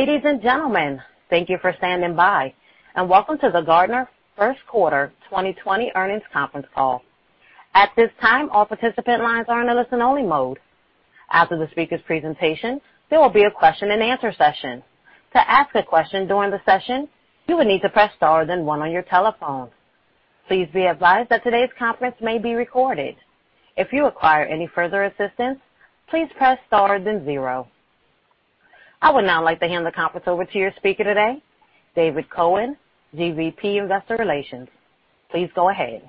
Ladies and gentlemen, thank you for standing by and welcome to the Gartner First Quarter 2020 Earnings Conference Call. At this time, all participant lines are in a listen only mode. After the speakers' presentation, there will be a question and answer session. To ask a question during the session, you will need to press star then one on your telephone. Please be advised that today's conference may be recorded. If you require any further assistance, please press star then zero. I would now like to hand the conference over to your speaker today, David Cohen, GVP Investor Relations. Please go ahead.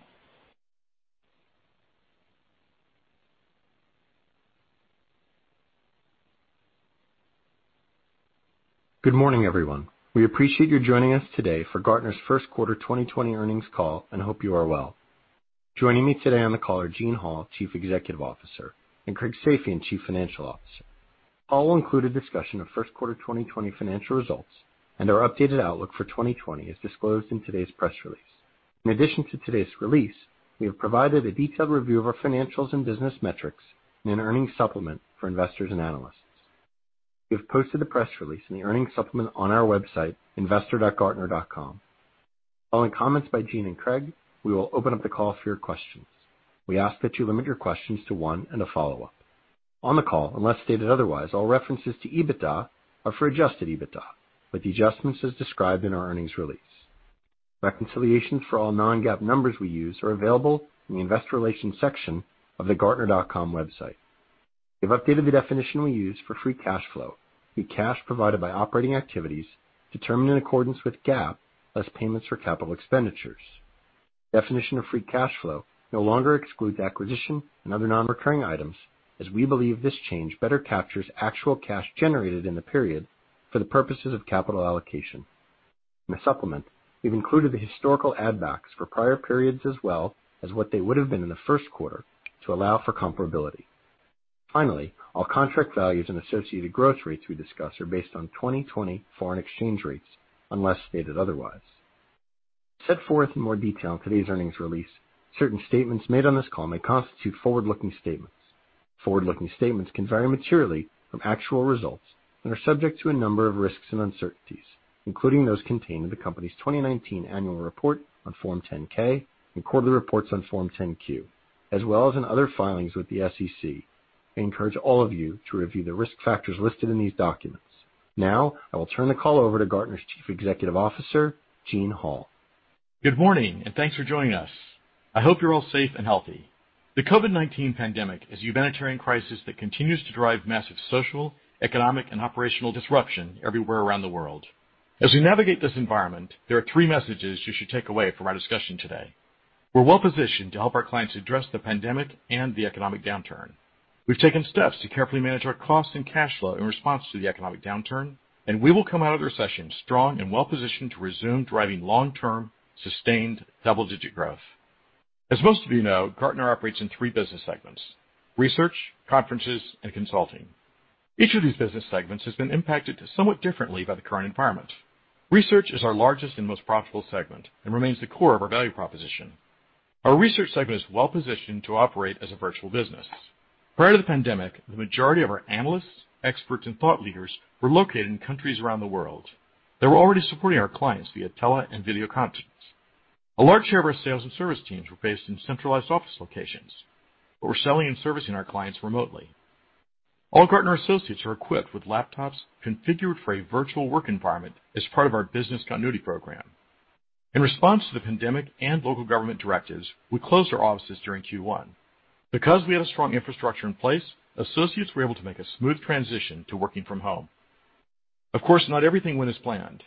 Good morning, everyone. We appreciate you joining us today for Gartner's first quarter 2020 earnings call, and hope you are well. Joining me today on the call are Gene Hall, Chief Executive Officer, and Craig Safian, Chief Financial Officer. I'll include a discussion of first quarter 2020 financial results and our updated outlook for 2020 as disclosed in today's press release. In addition to today's release, we have provided a detailed review of our financials and business metrics in an earnings supplement for investors and analysts. We have posted the press release and the earnings supplement on our website, investor.gartner.com. Following comments by Gene and Craig, we will open up the call for your questions. We ask that you limit your questions to one and a follow-up. On the call, unless stated otherwise, all references to EBITDA are for adjusted EBITDA, with the adjustments as described in our earnings release. Reconciliations for all non-GAAP numbers we use are available in the investor relations section of the gartner.com website. We've updated the definition we use for free cash flow. The cash provided by operating activities determined in accordance with GAAP as payments for capital expenditures. Definition of free cash flow no longer excludes acquisition and other non-recurring items as we believe this change better captures actual cash generated in the period for the purposes of capital allocation. In the supplement, we've included the historical add backs for prior periods as well as what they would've been in the first quarter to allow for comparability. Finally, all contract values and associated growth rates we discuss are based on 2020 foreign exchange rates, unless stated otherwise. Set forth in more detail in today's earnings release, certain statements made on this call may constitute forward-looking statements. Forward-looking statements can vary materially from actual results and are subject to a number of risks and uncertainties, including those contained in the company's 2019 annual report on Form 10-K, and quarterly reports on Form 10-Q, as well as in other filings with the SEC. I encourage all of you to review the risk factors listed in these documents. Now, I will turn the call over to Gartner's Chief Executive Officer, Gene Hall. Good morning. Thanks for joining us. I hope you're all safe and healthy. The COVID-19 pandemic is a humanitarian crisis that continues to drive massive social, economic, and operational disruption everywhere around the world. As we navigate this environment, there are three messages you should take away from our discussion today. We're well-positioned to help our clients address the pandemic and the economic downturn. We've taken steps to carefully manage our cost and cash flow in response to the economic downturn, and we will come out of the recession strong and well-positioned to resume driving long-term, sustained double-digit growth. As most of you know, Gartner operates in three business segments: research, conferences, and consulting. Each of these business segments has been impacted somewhat differently by the current environment. research is our largest and most profitable segment and remains the core of our value proposition. Our research segment is well-positioned to operate as a virtual business. Prior to the pandemic, the majority of our analysts, experts, and thought leaders were located in countries around the world. They were already supporting our clients via tele and video conference. A large share of our sales and service teams were based in centralized office locations but were selling and servicing our clients remotely. All Gartner associates are equipped with laptops configured for a virtual work environment as part of our business continuity program. In response to the pandemic and local government directives, we closed our offices during Q1. We have a strong infrastructure in place, associates were able to make a smooth transition to working from home. Of course, not everything went as planned.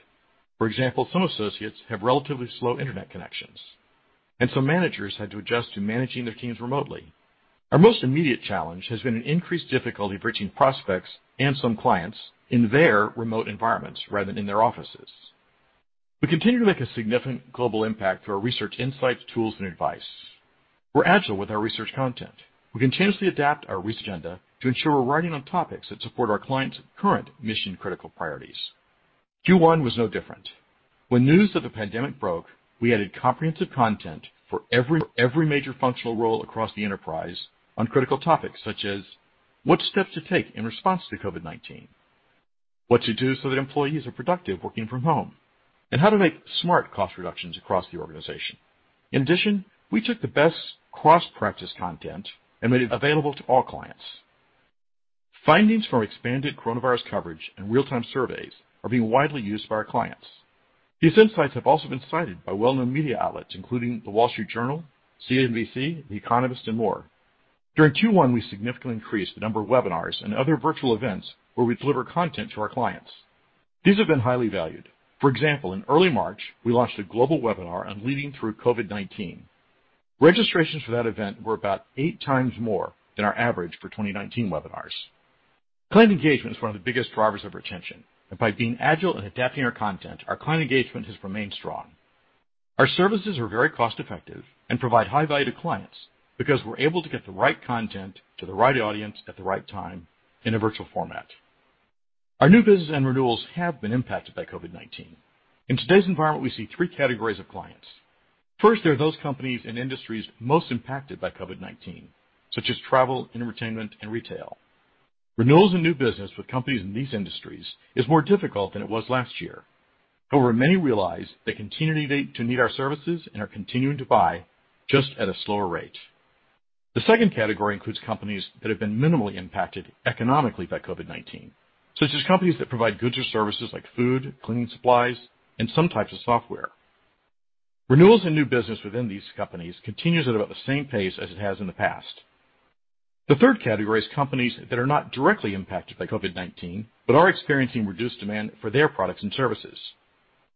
For example, some associates have relatively slow internet connections, and some managers had to adjust to managing their teams remotely. Our most immediate challenge has been an increased difficulty of reaching prospects and some clients in their remote environments rather than in their offices. We continue to make a significant global impact through our research insights, tools, and advice. We're agile with our research content. We continuously adapt our research agenda to ensure we're writing on topics that support our clients' current mission-critical priorities. Q1 was no different. When news of the pandemic broke, we added comprehensive content for every major functional role across the enterprise on critical topics such as what steps to take in response to COVID-19, what to do so that employees are productive working from home, and how to make smart cost reductions across the organization. In addition, we took the best cross-practice content and made it available to all clients. Findings from our expanded coronavirus coverage and real-time surveys are being widely used by our clients. These insights have also been cited by well-known media outlets, including The Wall Street Journal, CNBC, The Economist, and more. During Q1, we significantly increased the number of webinars and other virtual events where we deliver content to our clients. These have been highly valued. For example, in early March, we launched a global webinar on leading through COVID-19. Registrations for that event were about eight times more than our average for 2019 webinars. Client engagement is one of the biggest drivers of retention, and by being agile and adapting our content, our client engagement has remained strong. Our services are very cost-effective and provide high value to clients because we're able to get the right content to the right audience at the right time in a virtual format. Our new business and renewals have been impacted by COVID-19. In today's environment, we see 3 categories of clients. 1st, there are those companies and industries most impacted by COVID-19, such as travel, entertainment, and retail. Renewals and new business with companies in these industries is more difficult than it was last year. However, many realize they continue to need our services and are continuing to buy, just at a slower rate. The 2nd category includes companies that have been minimally impacted economically by COVID-19, such as companies that provide goods or services like food, cleaning supplies, and some types of software. Renewals and new business within these companies continues at about the same pace as it has in the past. The 3rd category is companies that are not directly impacted by COVID-19 but are experiencing reduced demand for their products and services.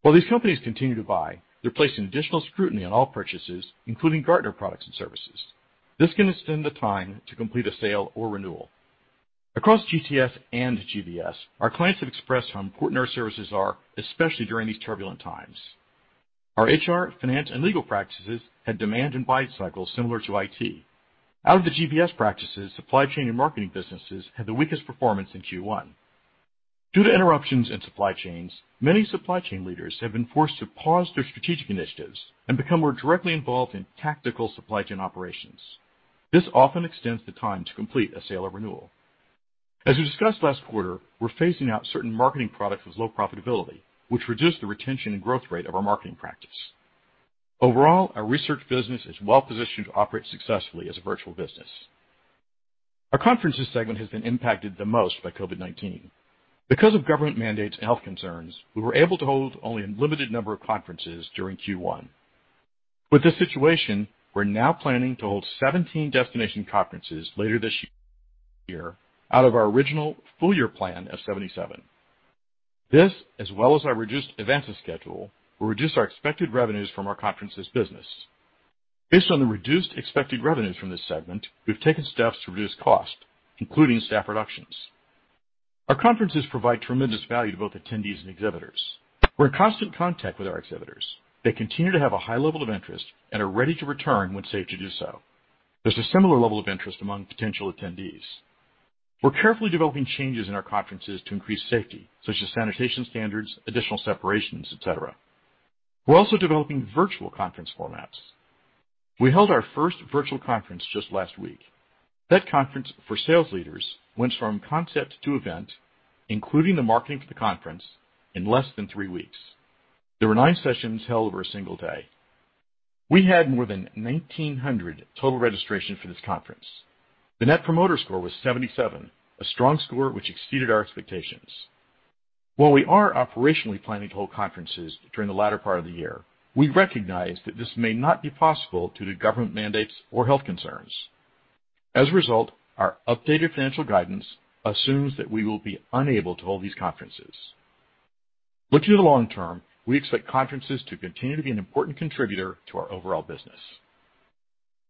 While these companies continue to buy, they're placing additional scrutiny on all purchases, including Gartner products and services. This can extend the time to complete a sale or renewal. Across GTS and GBS, our clients have expressed how important our services are, especially during these turbulent times. Our HR, finance, and legal practices had demand and buy cycles similar to IT. Out of the GBS practices, supply chain and marketing businesses had the weakest performance in Q1. Due to interruptions in supply chains, many supply chain leaders have been forced to pause their strategic initiatives and become more directly involved in tactical supply chain operations. This often extends the time to complete a sale or renewal. As we discussed last quarter, we're phasing out certain marketing products with low profitability, which reduced the retention and growth rate of our marketing practice. Overall, our research business is well-positioned to operate successfully as a virtual business. Our conferences segment has been impacted the most by COVID-19. Because of government mandates and health concerns, we were able to hold only a limited number of conferences during Q1. With this situation, we're now planning to hold 17 destination conferences later this year out of our original full-year plan of 77. This, as well as our reduced events schedule, will reduce our expected revenues from our conferences business. Based on the reduced expected revenues from this segment, we've taken steps to reduce cost, including staff reductions. Our conferences provide tremendous value to both attendees and exhibitors. We're in constant contact with our exhibitors. They continue to have a high level of interest and are ready to return when safe to do so. There's a similar level of interest among potential attendees. We're carefully developing changes in our conferences to increase safety, such as sanitation standards, additional separations, et cetera. We're also developing virtual conference formats. We held our first virtual conference just last week. That conference for sales leaders went from concept to event, including the marketing for the conference, in less than three weeks. There were nine sessions held over a single day. We had more than 1,900 total registrations for this conference. The net promoter score was 77, a strong score which exceeded our expectations. While we are operationally planning to hold conferences during the latter part of the year, we recognize that this may not be possible due to government mandates or health concerns. As a result, our updated financial guidance assumes that we will be unable to hold these conferences. Looking to the long term, we expect conferences to continue to be an important contributor to our overall business.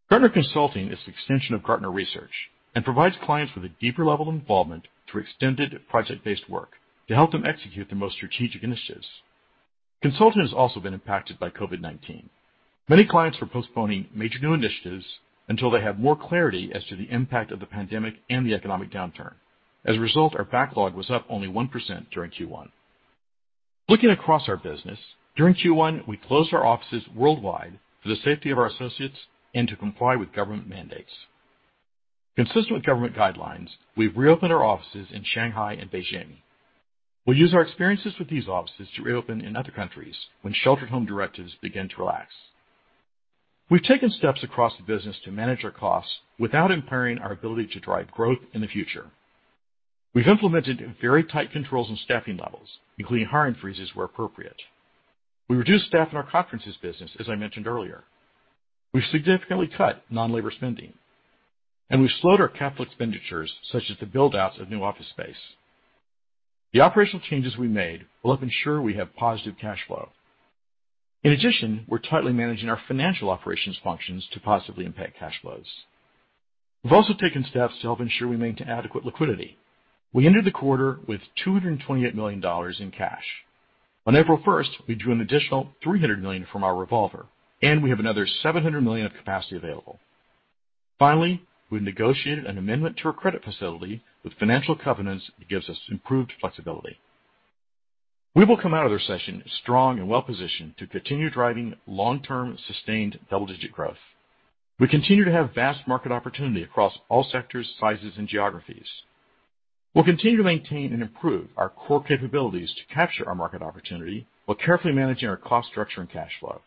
Gartner Consulting is the extension of Gartner research and provides clients with a deeper level of involvement through extended project-based work to help them execute their most strategic initiatives. Consulting has also been impacted by COVID-19. Many clients are postponing major new initiatives until they have more clarity as to the impact of the pandemic and the economic downturn. As a result, our backlog was up only 1% during Q1. Looking across our business, during Q1, we closed our offices worldwide for the safety of our associates and to comply with government mandates. Consistent with government guidelines, we've reopened our offices in Shanghai and Beijing. We'll use our experiences with these offices to reopen in other countries when shelter-at-home directives begin to relax. We've taken steps across the business to manage our costs without impairing our ability to drive growth in the future. We've implemented very tight controls on staffing levels, including hiring freezes where appropriate. We reduced staff in our conferences business, as I mentioned earlier. We've significantly cut non-labor spending, and we've slowed our capital expenditures, such as the build-outs of new office space. The operational changes we made will help ensure we have positive cash flow. In addition, we're tightly managing our financial operations functions to positively impact cash flows. We've also taken steps to help ensure we maintain adequate liquidity. We ended the quarter with $228 million in cash. On April 1st, we drew an additional $300 million from our revolver, and we have another $700 million of capacity available. Finally, we negotiated an amendment to our credit facility with financial covenants that gives us improved flexibility. We will come out of the recession strong and well-positioned to continue driving long-term, sustained double-digit growth. We continue to have vast market opportunity across all sectors, sizes, and geographies. We'll continue to maintain and improve our core capabilities to capture our market opportunity while carefully managing our cost structure and cash flow.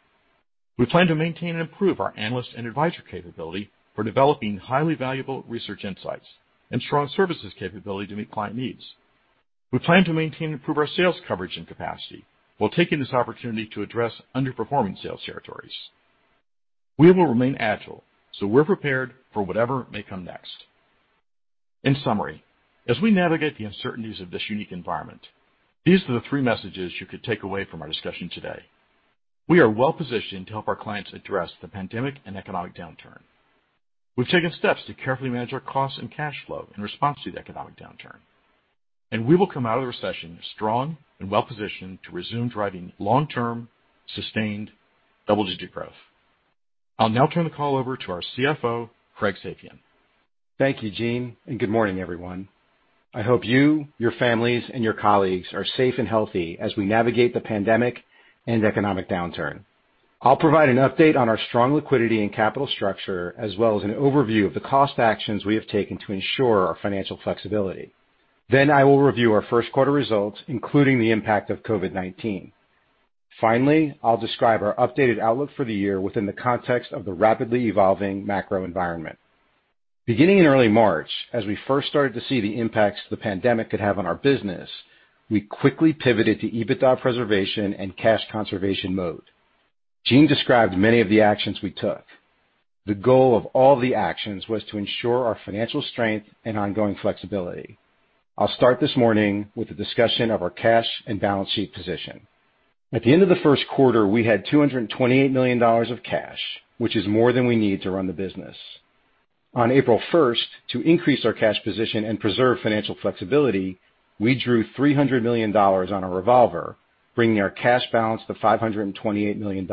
We plan to maintain and improve our analyst and advisor capability for developing highly valuable research insights and strong services capability to meet client needs. We plan to maintain and improve our sales coverage and capacity while taking this opportunity to address underperforming sales territories. We will remain agile, so we're prepared for whatever may come next. In summary, as we navigate the uncertainties of this unique environment, these are the three messages you could take away from our discussion today. We are well-positioned to help our clients address the pandemic and economic downturn. We've taken steps to carefully manage our costs and cash flow in response to the economic downturn. We will come out of the recession strong and well-positioned to resume driving long-term, sustained double-digit growth. I'll now turn the call over to our CFO, Craig Safian. Thank you, Gene, good morning, everyone. I hope you, your families, and your colleagues are safe and healthy as we navigate the pandemic and economic downturn. I'll provide an update on our strong liquidity and capital structure, as well as an overview of the cost actions we have taken to ensure our financial flexibility. I will review our first quarter results, including the impact of COVID-19. Finally, I'll describe our updated outlook for the year within the context of the rapidly evolving macro environment. Beginning in early March, as we first started to see the impacts the pandemic could have on our business, we quickly pivoted to EBITDA preservation and cash conservation mode. Gene described many of the actions we took. The goal of all the actions was to ensure our financial strength and ongoing flexibility. I'll start this morning with a discussion of our cash and balance sheet position. At the end of the first quarter, we had $228 million of cash, which is more than we need to run the business. On April 1st, to increase our cash position and preserve financial flexibility, we drew $300 million on a revolver, bringing our cash balance to $528 million.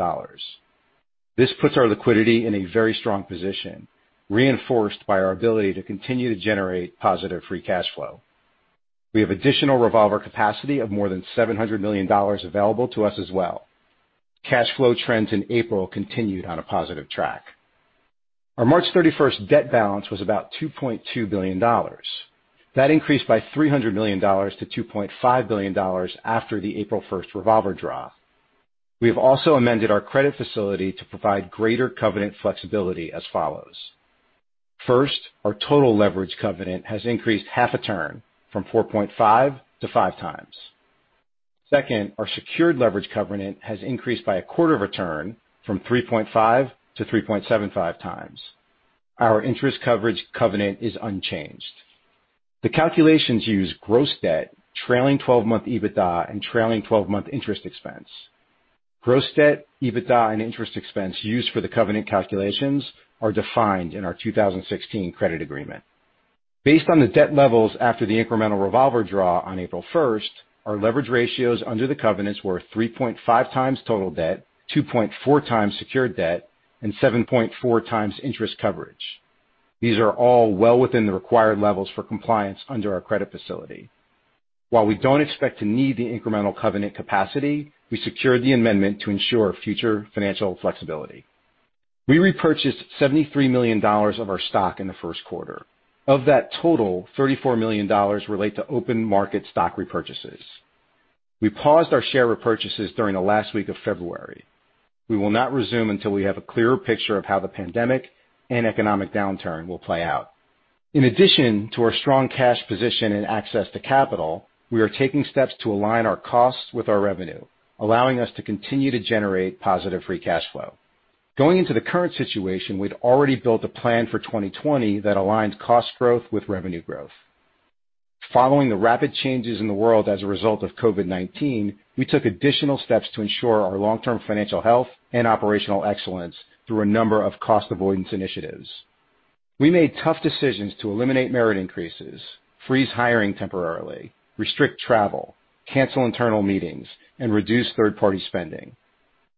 This puts our liquidity in a very strong position, reinforced by our ability to continue to generate positive free cash flow. We have additional revolver capacity of more than $700 million available to us as well. Cash flow trends in April continued on a positive track. Our March 31st debt balance was about $2.2 billion. That increased by $300 million to $2.5 billion after the April 1st revolver draw. We have also amended our credit facility to provide greater covenant flexibility as follows. Our total leverage covenant has increased half a turn from 4.5 to five times. Our secured leverage covenant has increased by a quarter of a turn from 3.5 to 3.75 times. Our interest coverage covenant is unchanged. The calculations use gross debt, trailing 12-month EBITDA, and trailing 12-month interest expense. Gross debt, EBITDA, and interest expense used for the covenant calculations are defined in our 2016 credit agreement. Based on the debt levels after the incremental revolver draw on April 1st, our leverage ratios under the covenants were 3.5 times total debt, 2.4 times secured debt, and 7.4 times interest coverage. These are all well within the required levels for compliance under our credit facility. While we don't expect to need the incremental covenant capacity, we secured the amendment to ensure future financial flexibility. We repurchased $73 million of our stock in the first quarter. Of that total, $34 million relate to open market stock repurchases. We paused our share repurchases during the last week of February. We will not resume until we have a clearer picture of how the pandemic and economic downturn will play out. In addition to our strong cash position and access to capital, we are taking steps to align our costs with our revenue, allowing us to continue to generate positive free cash flow. Going into the current situation, we had already built a plan for 2020 that aligns cost growth with revenue growth. Following the rapid changes in the world as a result of COVID-19, we took additional steps to ensure our long-term financial health and operational excellence through a number of cost avoidance initiatives. We made tough decisions to eliminate merit increases, freeze hiring temporarily, restrict travel, cancel internal meetings, and reduce third-party spending.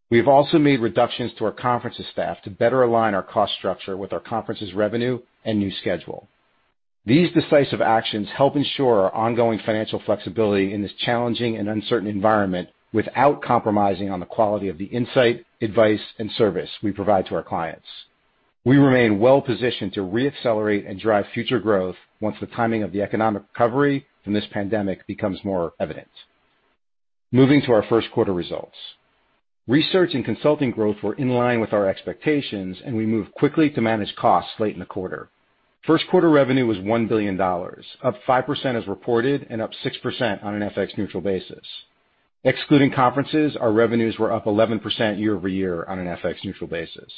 We have also made reductions to our conferences staff to better align our cost structure with our conferences revenue and new schedule. These decisive actions help ensure our ongoing financial flexibility in this challenging and uncertain environment without compromising on the quality of the insight, advice, and service we provide to our clients. We remain well positioned to re-accelerate and drive future growth once the timing of the economic recovery from this pandemic becomes more evident. Moving to our first quarter results. Research and consulting growth were in line with our expectations. We moved quickly to manage costs late in the quarter. First quarter revenue was $1 billion, up 5% as reported and up 6% on an FX neutral basis. Excluding conferences, our revenues were up 11% year-over-year on an FX neutral basis.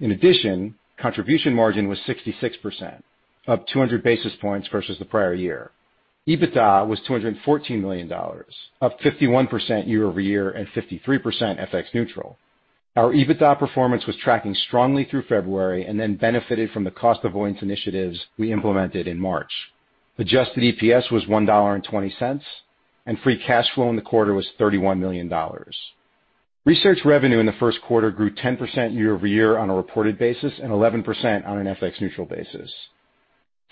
In addition, contribution margin was 66%, up 200 basis points versus the prior year. EBITDA was $214 million, up 51% year-over-year and 53% FX-neutral. Our EBITDA performance was tracking strongly through February and then benefited from the cost avoidance initiatives we implemented in March. Adjusted EPS was $1.20, and free cash flow in the quarter was $31 million. Research revenue in the first quarter grew 10% year-over-year on a reported basis and 11% on an FX-neutral basis.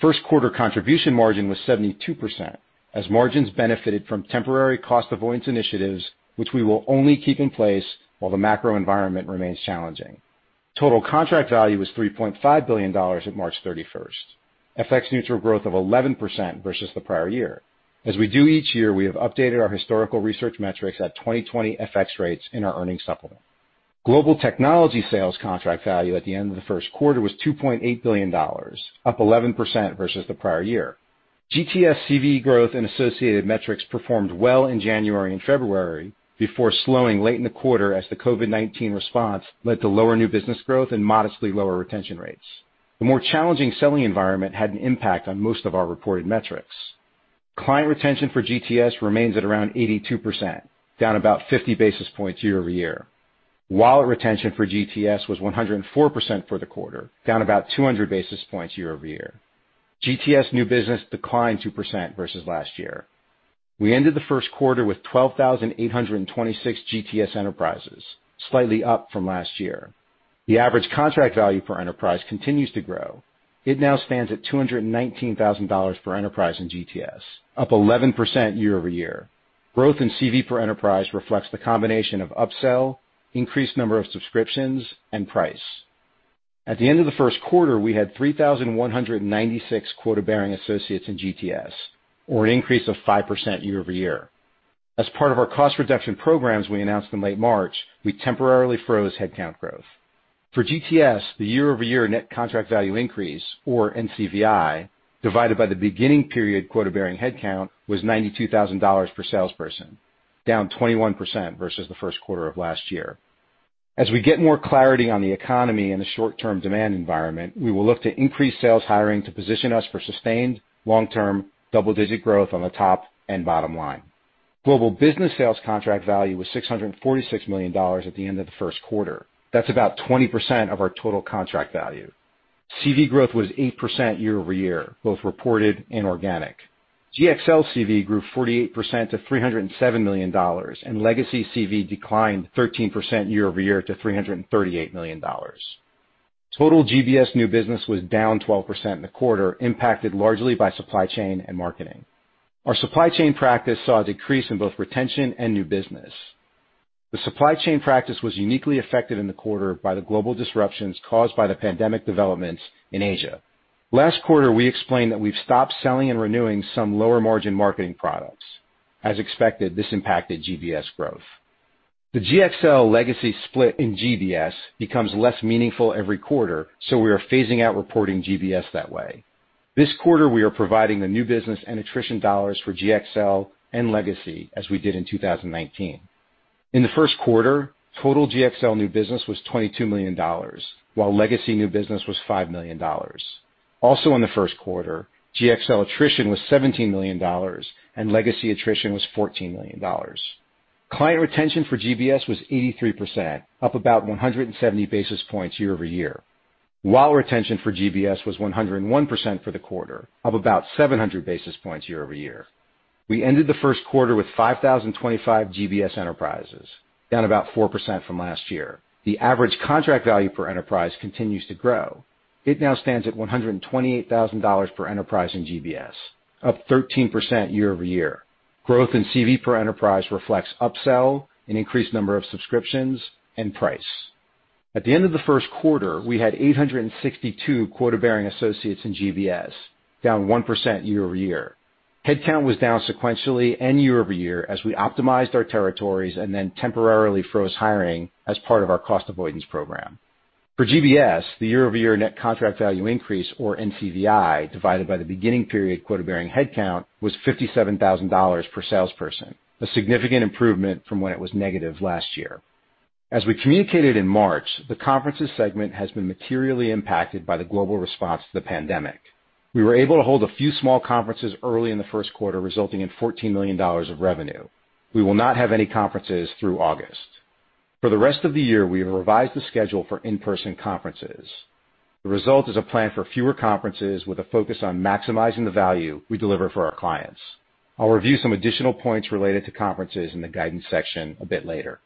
First quarter contribution margin was 72%, as margins benefited from temporary cost avoidance initiatives, which we will only keep in place while the macro environment remains challenging. Total contract value was $3.5 billion at March 31st, FX-neutral growth of 11% versus the prior year. As we do each year, we have updated our historical research metrics at 2020 FX rates in our earnings supplement. Global technology sales contract value at the end of the first quarter was $2.8 billion, up 11% versus the prior year. GTS CV growth and associated metrics performed well in January and February before slowing late in the quarter as the COVID-19 response led to lower new business growth and modestly lower retention rates. The more challenging selling environment had an impact on most of our reported metrics. Client retention for GTS remains at around 82%, down about 50 basis points year-over-year. Wallet retention for GTS was 104% for the quarter, down about 200 basis points year-over-year. GTS new business declined 2% versus last year. We ended the first quarter with 12,826 GTS enterprises, slightly up from last year. The average contract value per enterprise continues to grow. It now stands at $219,000 per enterprise in GTS, up 11% year-over-year. Growth in CV per enterprise reflects the combination of upsell, increased number of subscriptions, and price. At the end of the first quarter, we had 3,196 quota-bearing associates in GTS, or an increase of 5% year-over-year. Part of our cost reduction programs we announced in late March, we temporarily froze headcount growth. For GTS, the year-over-year net contract value increase, or NCVI, divided by the beginning period quota-bearing headcount was $92,000 per salesperson, down 21% versus the first quarter of last year. We get more clarity on the economy and the short-term demand environment, we will look to increase sales hiring to position us for sustained long-term double-digit growth on the top and bottom line. Global Business Sales contract value was $646 million at the end of the first quarter. That's about 20% of our total contract value. CV growth was 8% year-over-year, both reported and organic. GxL CV grew 48% to $307 million, and legacy CV declined 13% year-over-year to $338 million. Total GBS new business was down 12% in the quarter, impacted largely by supply chain and marketing. Our supply chain practice saw a decrease in both retention and new business. The supply chain practice was uniquely affected in the quarter by the global disruptions caused by the pandemic developments in Asia. Last quarter, we explained that we've stopped selling and renewing some lower-margin marketing products. As expected, this impacted GBS growth. The GxL legacy split in GBS becomes less meaningful every quarter, so we are phasing out reporting GBS that way. This quarter, we are providing the new business and attrition dollars for GxL and legacy as we did in 2019. In the first quarter, total GxL new business was $22 million, while legacy new business was $5 million. In the first quarter, GxL attrition was $17 million, and legacy attrition was $14 million. Client retention for GBS was 83%, up about 170 basis points year-over-year, while retention for GBS was 101% for the quarter, up about 700 basis points year-over-year. We ended the first quarter with 5,025 GBS enterprises, down about 4% from last year. The average contract value per enterprise continues to grow. It now stands at $128,000 per enterprise in GBS, up 13% year-over-year. Growth in CV per enterprise reflects upsell, an increased number of subscriptions, and price. At the end of the first quarter, we had 862 quota-bearing associates in GBS, down 1% year-over-year. Headcount was down sequentially and year-over-year as we optimized our territories and then temporarily froze hiring as part of our cost avoidance program. For GBS, the year-over-year net contract value increase, or NCVI, divided by the beginning period quota-bearing headcount was $57,000 per salesperson, a significant improvement from when it was negative last year. As we communicated in March, the conferences segment has been materially impacted by the global response to the pandemic. We were able to hold a few small conferences early in the first quarter, resulting in $14 million of revenue. We will not have any conferences through August. For the rest of the year, we have revised the schedule for in-person conferences. The result is a plan for fewer conferences with a focus on maximizing the value we deliver for our clients. I'll review some additional points related to conferences in the guidance section a bit later.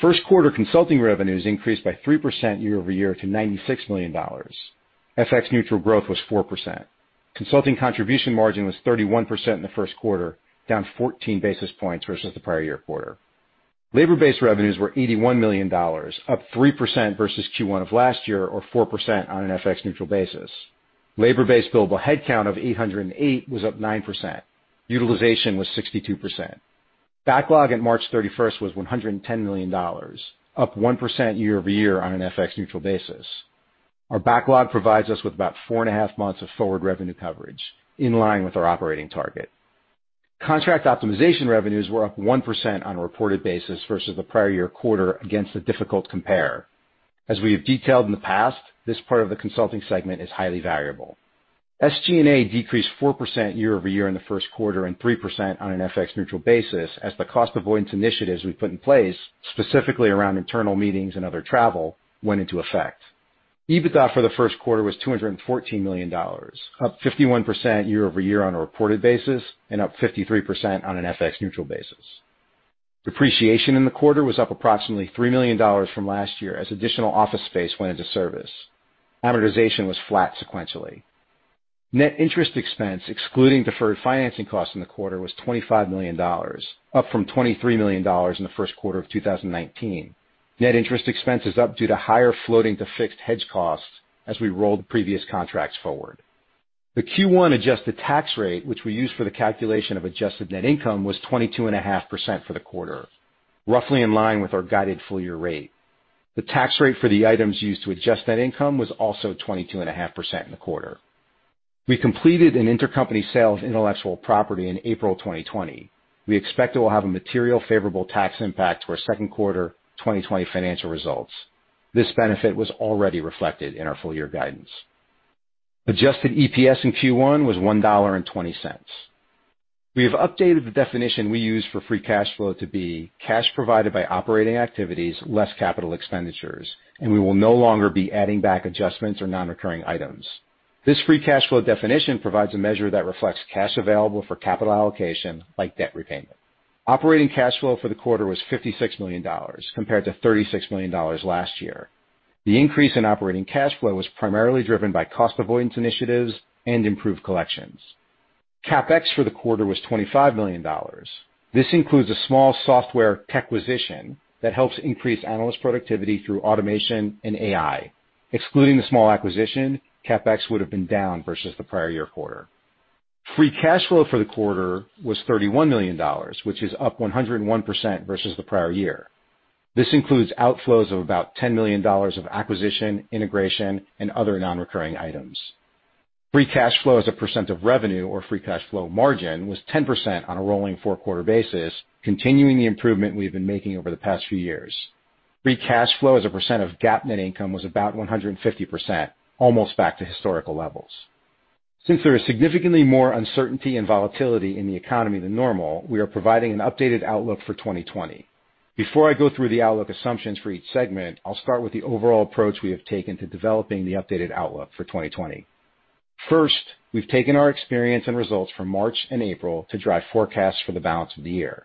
First quarter consulting revenues increased by 3% year-over-year to $96 million. FX neutral growth was 4%. Consulting contribution margin was 31% in the first quarter, down 14 basis points versus the prior-year quarter. Labor-based revenues were $81 million, up 3% versus Q1 of last year, or 4% on an FX neutral basis. Labor-based billable headcount of 808 was up 9%. Utilization was 62%. Backlog at March 31st was $110 million, up 1% year-over-year on an FX neutral basis. Our backlog provides us with about four and a half months of forward revenue coverage, in line with our operating target. Contract optimization revenues were up 1% on a reported basis versus the prior-year quarter against a difficult compare. As we have detailed in the past, this part of the consulting segment is highly variable. SG&A decreased 4% year-over-year in the first quarter and 3% on an FX neutral basis as the cost avoidance initiatives we put in place, specifically around internal meetings and other travel, went into effect. EBITDA for the first quarter was $214 million, up 51% year-over-year on a reported basis and up 53% on an FX neutral basis. Depreciation in the quarter was up approximately $3 million from last year as additional office space went into service. Amortization was flat sequentially. Net interest expense, excluding deferred financing costs in the quarter, was $25 million, up from $23 million in the first quarter of 2019. Net interest expense is up due to higher floating to fixed hedge costs as we rolled previous contracts forward. The Q1 adjusted tax rate, which we use for the calculation of adjusted net income, was 22.5% for the quarter, roughly in line with our guided full year rate. The tax rate for the items used to adjust net income was also 22.5% in the quarter. We completed an intercompany sale of intellectual property in April 2020. We expect it will have a material favorable tax impact to our second quarter 2020 financial results. This benefit was already reflected in our full year guidance. Adjusted EPS in Q1 was $1.20. We have updated the definition we use for free cash flow to be cash provided by operating activities less capital expenditures, and we will no longer be adding back adjustments or non-recurring items. This free cash flow definition provides a measure that reflects cash available for capital allocation, like debt repayment. Operating cash flow for the quarter was $56 million compared to $36 million last year. The increase in operating cash flow was primarily driven by cost avoidance initiatives and improved collections. CapEx for the quarter was $25 million. This includes a small software techquisition that helps increase analyst productivity through automation and AI. Excluding the small acquisition, CapEx would have been down versus the prior year quarter. Free cash flow for the quarter was $31 million, which is up 101% versus the prior year. This includes outflows of about $10 million of acquisition, integration, and other non-recurring items. Free cash flow as a percent of revenue or free cash flow margin was 10% on a rolling four-quarter basis, continuing the improvement we have been making over the past few years. Free cash flow as a percent of GAAP net income was about 150%, almost back to historical levels. Since there is significantly more uncertainty and volatility in the economy than normal, we are providing an updated outlook for 2020. Before I go through the outlook assumptions for each segment, I'll start with the overall approach we have taken to developing the updated outlook for 2020. First, we've taken our experience and results from March and April to drive forecasts for the balance of the year.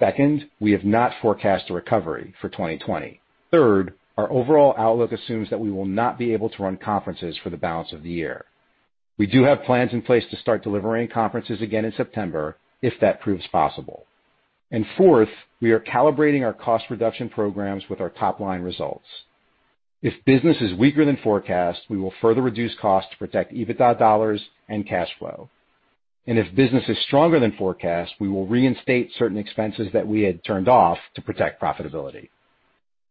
Second, we have not forecast a recovery for 2020. Third, our overall outlook assumes that we will not be able to run conferences for the balance of the year. We do have plans in place to start delivering conferences again in September if that proves possible. Fourth, we are calibrating our cost reduction programs with our top-line results. If business is weaker than forecast, we will further reduce costs to protect EBITDA dollars and cash flow. If business is stronger than forecast, we will reinstate certain expenses that we had turned off to protect profitability.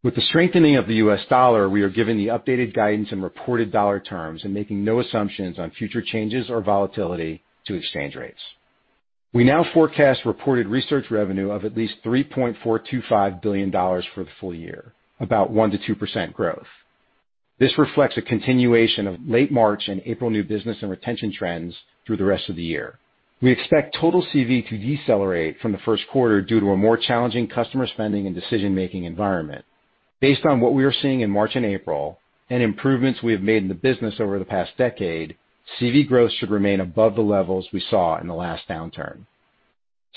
With the strengthening of the U.S. dollar, we are giving the updated guidance in reported dollar terms and making no assumptions on future changes or volatility to exchange rates. We now forecast reported research revenue of at least $3.425 billion for the full year, about 1%-2% growth. This reflects a continuation of late March and April new business and retention trends through the rest of the year. We expect total CV to decelerate from the first quarter due to a more challenging customer spending and decision-making environment. Based on what we are seeing in March and April and improvements we have made in the business over the past decade, CV growth should remain above the levels we saw in the last downturn.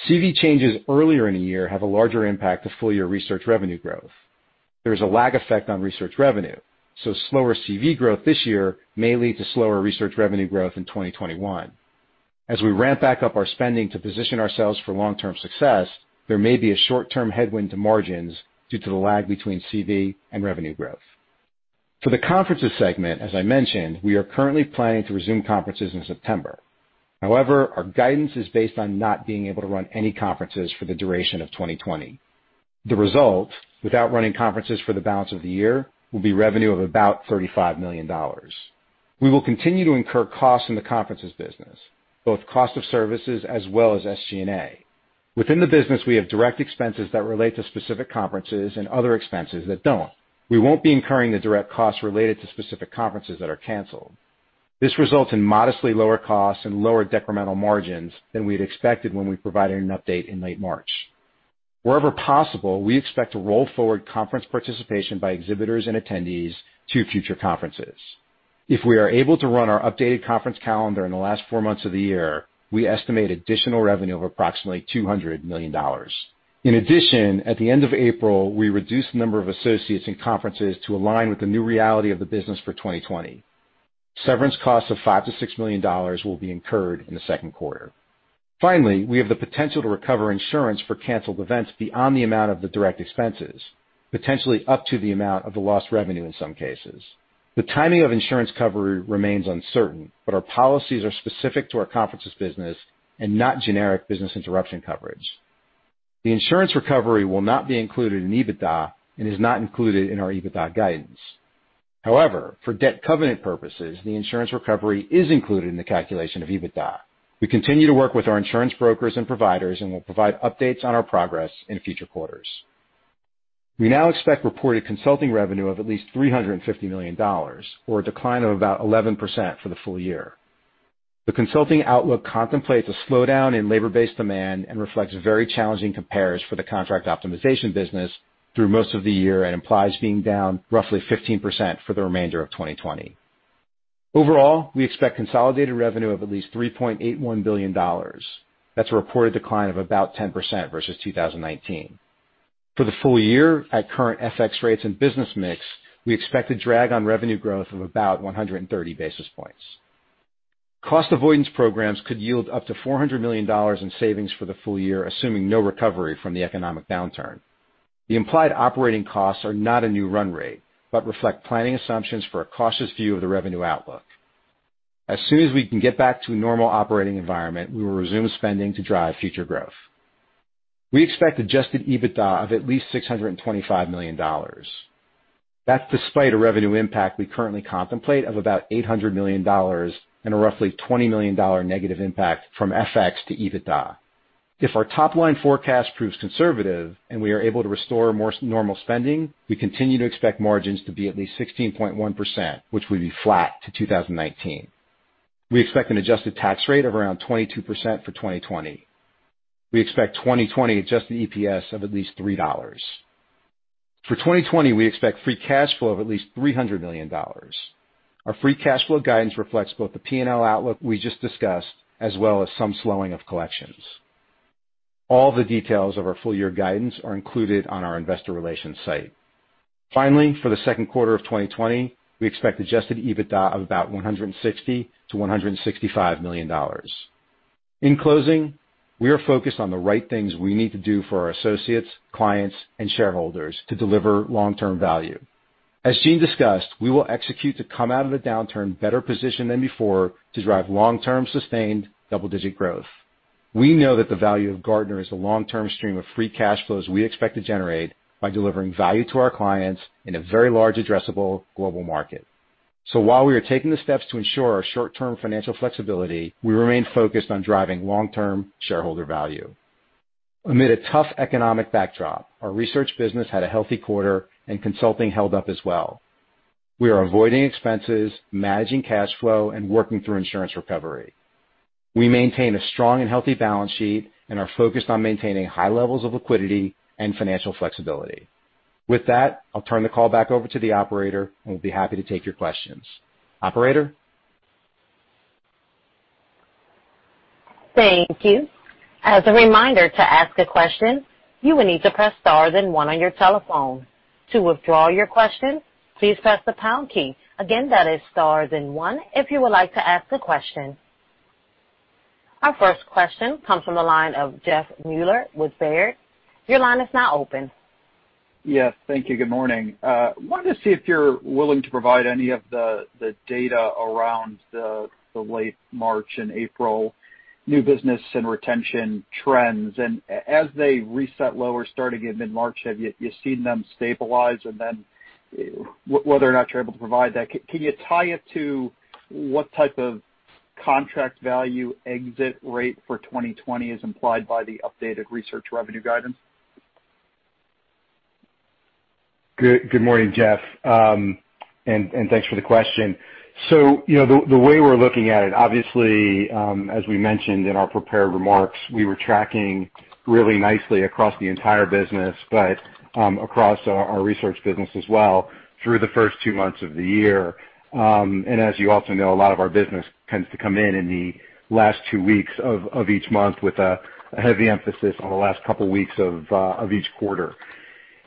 CV changes earlier in the year have a larger impact to full-year research revenue growth. There is a lag effect on research revenue, so slower CV growth this year may lead to slower research revenue growth in 2021. As we ramp back up our spending to position ourselves for long-term success, there may be a short-term headwind to margins due to the lag between CV and revenue growth. For the conferences segment, as I mentioned, we are currently planning to resume conferences in September. However, our guidance is based on not being able to run any conferences for the duration of 2020. The result, without running conferences for the balance of the year, will be revenue of about $35 million. We will continue to incur costs in the conferences business, both cost of services as well as SG&A. Within the business, we have direct expenses that relate to specific conferences and other expenses that don't. We won't be incurring the direct costs related to specific conferences that are canceled. This results in modestly lower costs and lower decremental margins than we had expected when we provided an update in late March. Wherever possible, we expect to roll forward conference participation by exhibitors and attendees to future conferences. If we are able to run our updated conference calendar in the last four months of the year, we estimate additional revenue of approximately $200 million. At the end of April, we reduced the number of associates in conferences to align with the new reality of the business for 2020. Severance costs of $5 million-$6 million will be incurred in the second quarter. We have the potential to recover insurance for canceled events beyond the amount of the direct expenses, potentially up to the amount of the lost revenue in some cases. The timing of insurance coverage remains uncertain, but our policies are specific to our conferences business and not generic business interruption coverage. The insurance recovery will not be included in EBITDA and is not included in our EBITDA guidance. For debt covenant purposes, the insurance recovery is included in the calculation of EBITDA. We continue to work with our insurance brokers and providers and will provide updates on our progress in future quarters. We now expect reported consulting revenue of at least $350 million, or a decline of about 11% for the full year. The consulting outlook contemplates a slowdown in labor-based demand and reflects very challenging compares for the contract optimization business through most of the year and implies being down roughly 15% for the remainder of 2020. Overall, we expect consolidated revenue of at least $3.81 billion. That's a reported decline of about 10% versus 2019. For the full year, at current FX rates and business mix, we expect a drag on revenue growth of about 130 basis points. Cost avoidance programs could yield up to $400 million in savings for the full year, assuming no recovery from the economic downturn. The implied operating costs are not a new run rate, but reflect planning assumptions for a cautious view of the revenue outlook. As soon as we can get back to a normal operating environment, we will resume spending to drive future growth. We expect adjusted EBITDA of at least $625 million. That's despite a revenue impact we currently contemplate of about $800 million and a roughly $20 million negative impact from FX to EBITDA. If our top-line forecast proves conservative and we are able to restore more normal spending, we continue to expect margins to be at least 16.1%, which would be flat to 2019. We expect an adjusted tax rate of around 22% for 2020. We expect 2020 adjusted EPS of at least $3. For 2020, we expect free cash flow of at least $300 million. Our free cash flow guidance reflects both the P&L outlook we just discussed, as well as some slowing of collections. All the details of our full-year guidance are included on our investor relations site. Finally, for the second quarter of 2020, we expect adjusted EBITDA of about $160 million-$165 million. In closing, we are focused on the right things we need to do for our associates, clients, and shareholders to deliver long-term value. As Gene discussed, we will execute to come out of the downturn better positioned than before to drive long-term sustained double-digit growth. We know that the value of Gartner is a long-term stream of free cash flows we expect to generate by delivering value to our clients in a very large addressable global market. While we are taking the steps to ensure our short-term financial flexibility, we remain focused on driving long-term shareholder value. Amid a tough economic backdrop, our research business had a healthy quarter, and consulting held up as well. We are avoiding expenses, managing cash flow, and working through insurance recovery. We maintain a strong and healthy balance sheet and are focused on maintaining high levels of liquidity and financial flexibility. With that, I'll turn the call back over to the operator, and we'll be happy to take your questions. Operator? Thank you. As a reminder, to ask a question, you will need to press star, then one on your telephone. To withdraw your question, please press the pound key. Again, that is star, then one if you would like to ask a question. Our first question comes from the line of Jeff Meuler with Baird. Your line is now open. Yes. Thank you. Good morning. Wanted to see if you're willing to provide any of the data around the late March and April new business and retention trends. As they reset lower starting in mid-March, have you seen them stabilize? Whether or not you're able to provide that, can you tie it to what type of contract value exit rate for 2020 is implied by the updated research revenue guidance? Good morning, Jeff. Thanks for the question. The way we're looking at it, obviously, as we mentioned in our prepared remarks, we were tracking really nicely across the entire business, but across our research business as well through the first two months of the year. As you also know, a lot of our business tends to come in in the last two weeks of each month with a heavy emphasis on the last couple of weeks of each quarter.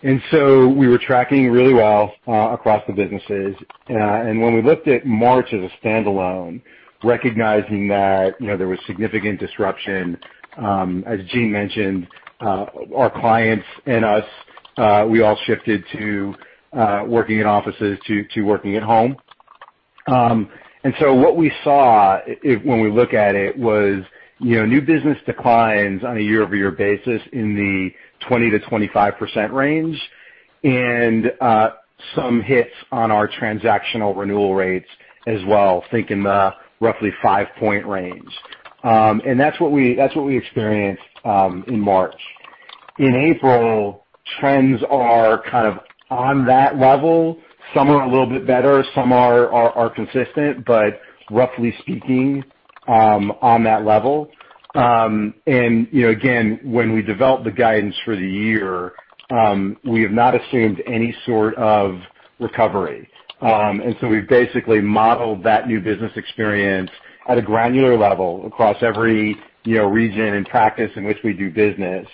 We were tracking really well across the businesses. When we looked at March as a standalone, recognizing that there was significant disruption, as Gene mentioned, our clients and us, we all shifted to working in offices to working at home. What we saw when we look at it was new business declines on a year-over-year basis in the 20%-25% range, and some hits on our transactional renewal rates as well, think in the roughly five-point range. That's what we experienced in March. In April, trends are kind of on that level. Some are a little bit better, some are consistent, but roughly speaking, on that level. Again, when we developed the guidance for the year, we have not assumed any sort of recovery. We've basically modeled that new business experience at a granular level across every region and practice in which we do business.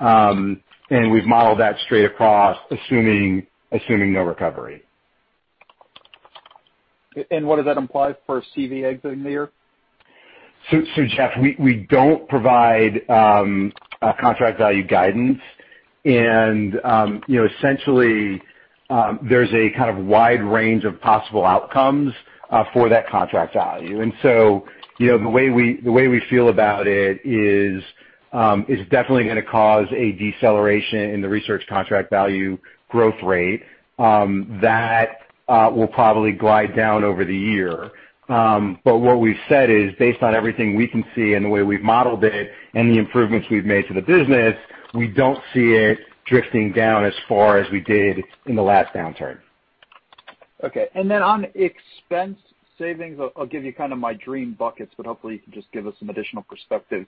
We've modeled that straight across, assuming no recovery. What does that imply for CV exiting the year? Jeff, we don't provide contract value guidance. Essentially, there's a kind of wide range of possible outcomes for that contract value. The way we feel about it is, it's definitely going to cause a deceleration in the research contract value growth rate that will probably glide down over the year. What we've said is, based on everything we can see and the way we've modeled it and the improvements we've made to the business, we don't see it drifting down as far as we did in the last downturn. Okay. On expense savings, I'll give you kind of my dream buckets, but hopefully you can just give us some additional perspective.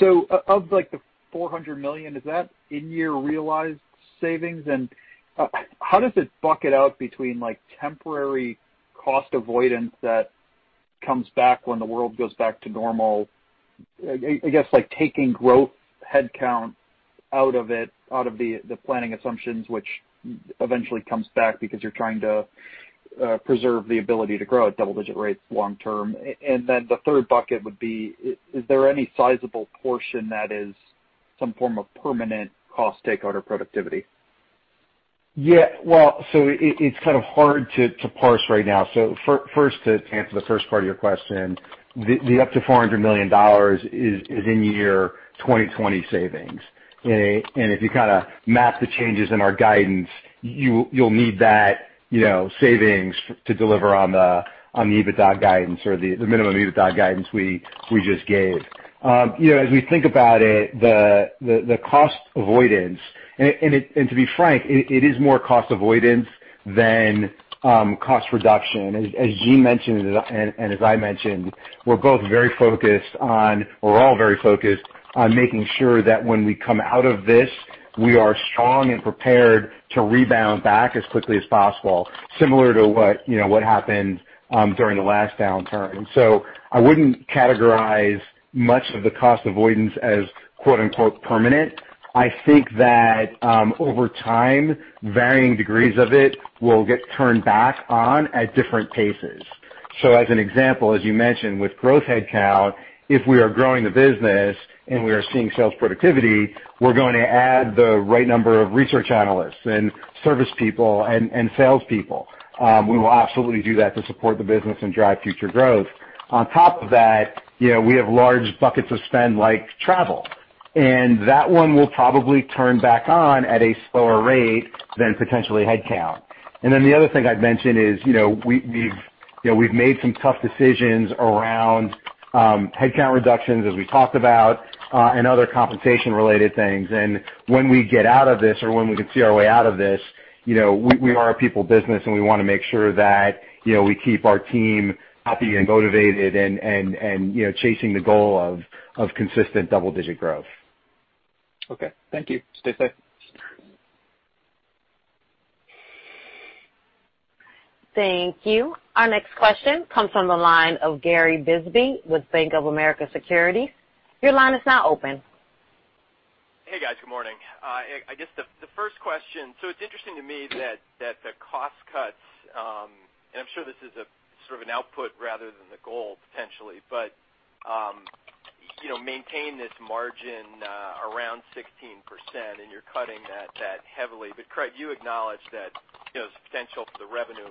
Of the $400 million, is that in-year realized savings? How does it bucket out between temporary cost avoidance that comes back when the world goes back to normal, I guess taking growth headcount out of the planning assumptions, which eventually comes back because you're trying to preserve the ability to grow at double-digit rates long term. The third bucket would be, is there any sizable portion that is some form of permanent cost takeout or productivity? Yeah. Well, it's kind of hard to parse right now. First, to answer the first part of your question, the up to $400 million is in-year 2020 savings. If you map the changes in our guidance, you'll need that savings to deliver on the EBITDA guidance or the minimum EBITDA guidance we just gave. As we think about it, the cost avoidance, and to be frank, it is more cost avoidance than cost reduction. As Gene mentioned, and as I mentioned, we're all very focused on making sure that when we come out of this, we are strong and prepared to rebound back as quickly as possible, similar to what happened during the last downturn. I wouldn't categorize much of the cost avoidance as "permanent." I think that over time, varying degrees of it will get turned back on at different paces. As an example, as you mentioned, with growth headcount, if we are growing the business and we are seeing sales productivity, we're going to add the right number of research analysts and service people and sales people. We will absolutely do that to support the business and drive future growth. On top of that, we have large buckets of spend like travel, and that one we'll probably turn back on at a slower rate than potentially headcount. The other thing I'd mention is, we've made some tough decisions around headcount reductions as we talked about, and other compensation related things. When we get out of this or when we can see our way out of this, we are a people business, and we want to make sure that we keep our team happy and motivated and chasing the goal of consistent double-digit growth. Okay. Thank you. Stay safe. Thank you. Our next question comes from the line of Gary Bisbee with Bank of America Securities. Your line is now open. Hey, guys. Good morning. I guess the first question, it's interesting to me that the cost cuts, and I'm sure this is a sort of an output rather than the goal, potentially. Maintain this margin around 16%, and you're cutting that heavily. Craig, you acknowledged that potential for the revenue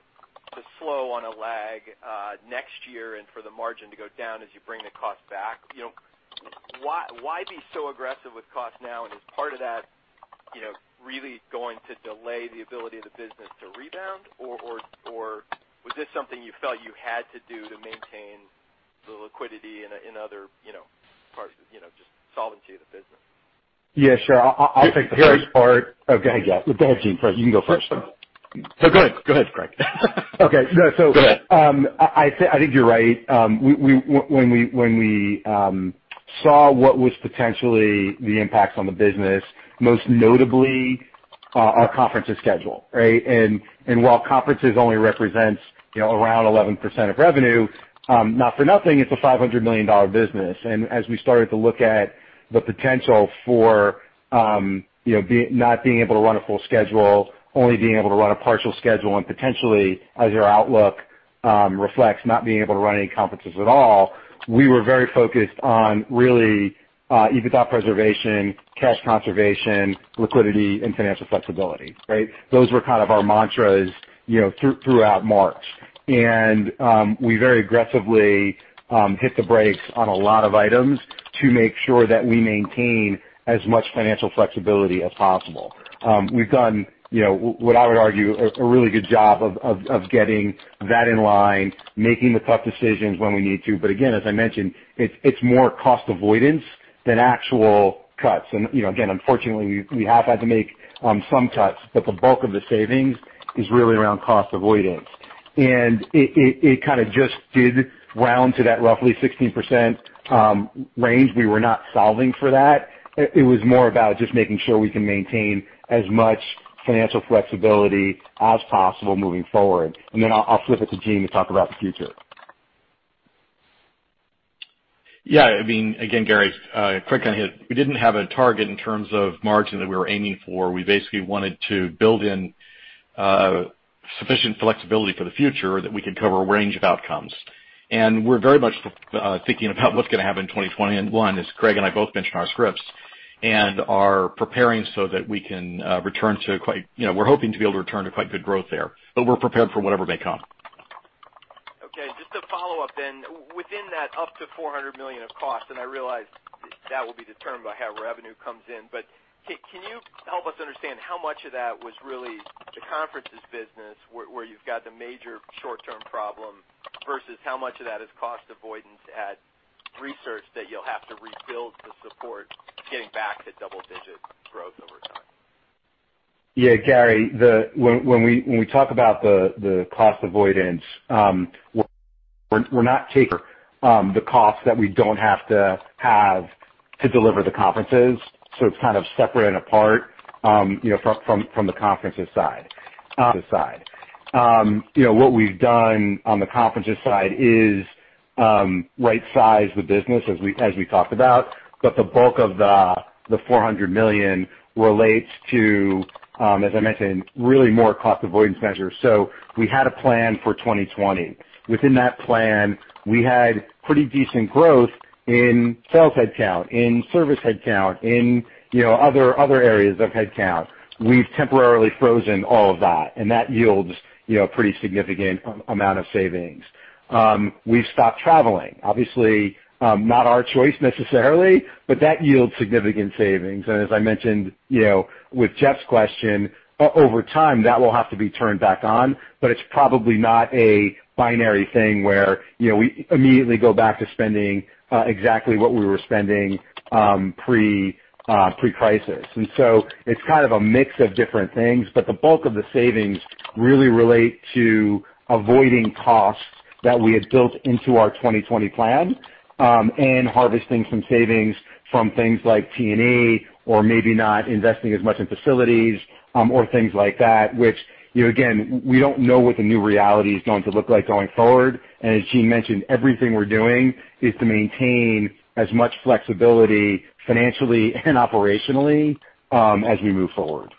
to slow on a lag next year and for the margin to go down as you bring the cost back. Why be so aggressive with cost now, and is part of that really going to delay the ability of the business to rebound, or was this something you felt you had to do to maintain the liquidity in other parts, just solvency of the business? Yeah, sure. I'll take the first part. Go ahead, yeah. Go ahead, Gene. You can go first. Sure. No, go ahead, Craig. Okay. Go ahead. I think you're right. When we saw what was potentially the impacts on the business, most notably our conferences schedule, right? While conferences only represents around 11% of revenue, not for nothing, it's a $500 million business. As we started to look at the potential for not being able to run a full schedule, only being able to run a partial schedule, and potentially as our outlook reflects, not being able to run any conferences at all, we were very focused on really EBITDA preservation, cash conservation, liquidity, and financial flexibility, right? Those were kind of our mantras throughout March. We very aggressively hit the brakes on a lot of items to make sure that we maintain as much financial flexibility as possible. We've done what I would argue, a really good job of getting that in line, making the tough decisions when we need to, but again, as I mentioned, it's more cost avoidance than actual cuts. Again, unfortunately, we have had to make some cuts, but the bulk of the savings is really around cost avoidance. It kind of just did round to that roughly 16% range. We were not solving for that. It was more about just making sure we can maintain as much financial flexibility as possible moving forward. Then I'll flip it to Gene to talk about the future. Yeah, I mean, again, Gary, Craig kind of hit it. We didn't have a target in terms of margin that we were aiming for. We basically wanted to build in sufficient flexibility for the future that we could cover a range of outcomes. We're very much thinking about what's going to happen in 2021, as Craig and I both mentioned in our scripts, and are preparing so that we can return to quite good growth there, but we're prepared for whatever may come. Just to follow up then. Within that up to $400 million of cost, and I realize that will be determined by how revenue comes in, can you help us understand how much of that was really the conferences business, where you've got the major short-term problem, versus how much of that is cost avoidance at research that you'll have to rebuild the support getting back to double-digit growth over time? Gary, when we talk about the cost avoidance, we're not taking the cost that we don't have to have to deliver the conferences. It's kind of separate and apart from the conferences side. What we've done on the conferences side is rightsize the business as we talked about, but the bulk of the $400 million relates to, as I mentioned, really more cost avoidance measures. We had a plan for 2020. Within that plan, we had pretty decent growth in sales headcount, in service headcount, in other areas of headcount. We've temporarily frozen all of that, and that yields a pretty significant amount of savings. We've stopped traveling. Obviously, not our choice necessarily, but that yields significant savings. As I mentioned with Jeff's question, over time, that will have to be turned back on, but it's probably not a binary thing where we immediately go back to spending exactly what we were spending pre-crisis. It's kind of a mix of different things, but the bulk of the savings really relate to avoiding costs that we had built into our 2020 plan, and harvesting some savings from things like T&E or maybe not investing as much in facilities, or things like that, which, again, we don't know what the new reality is going to look like going forward. As Gene mentioned, everything we're doing is to maintain as much flexibility financially and operationally as we move forward.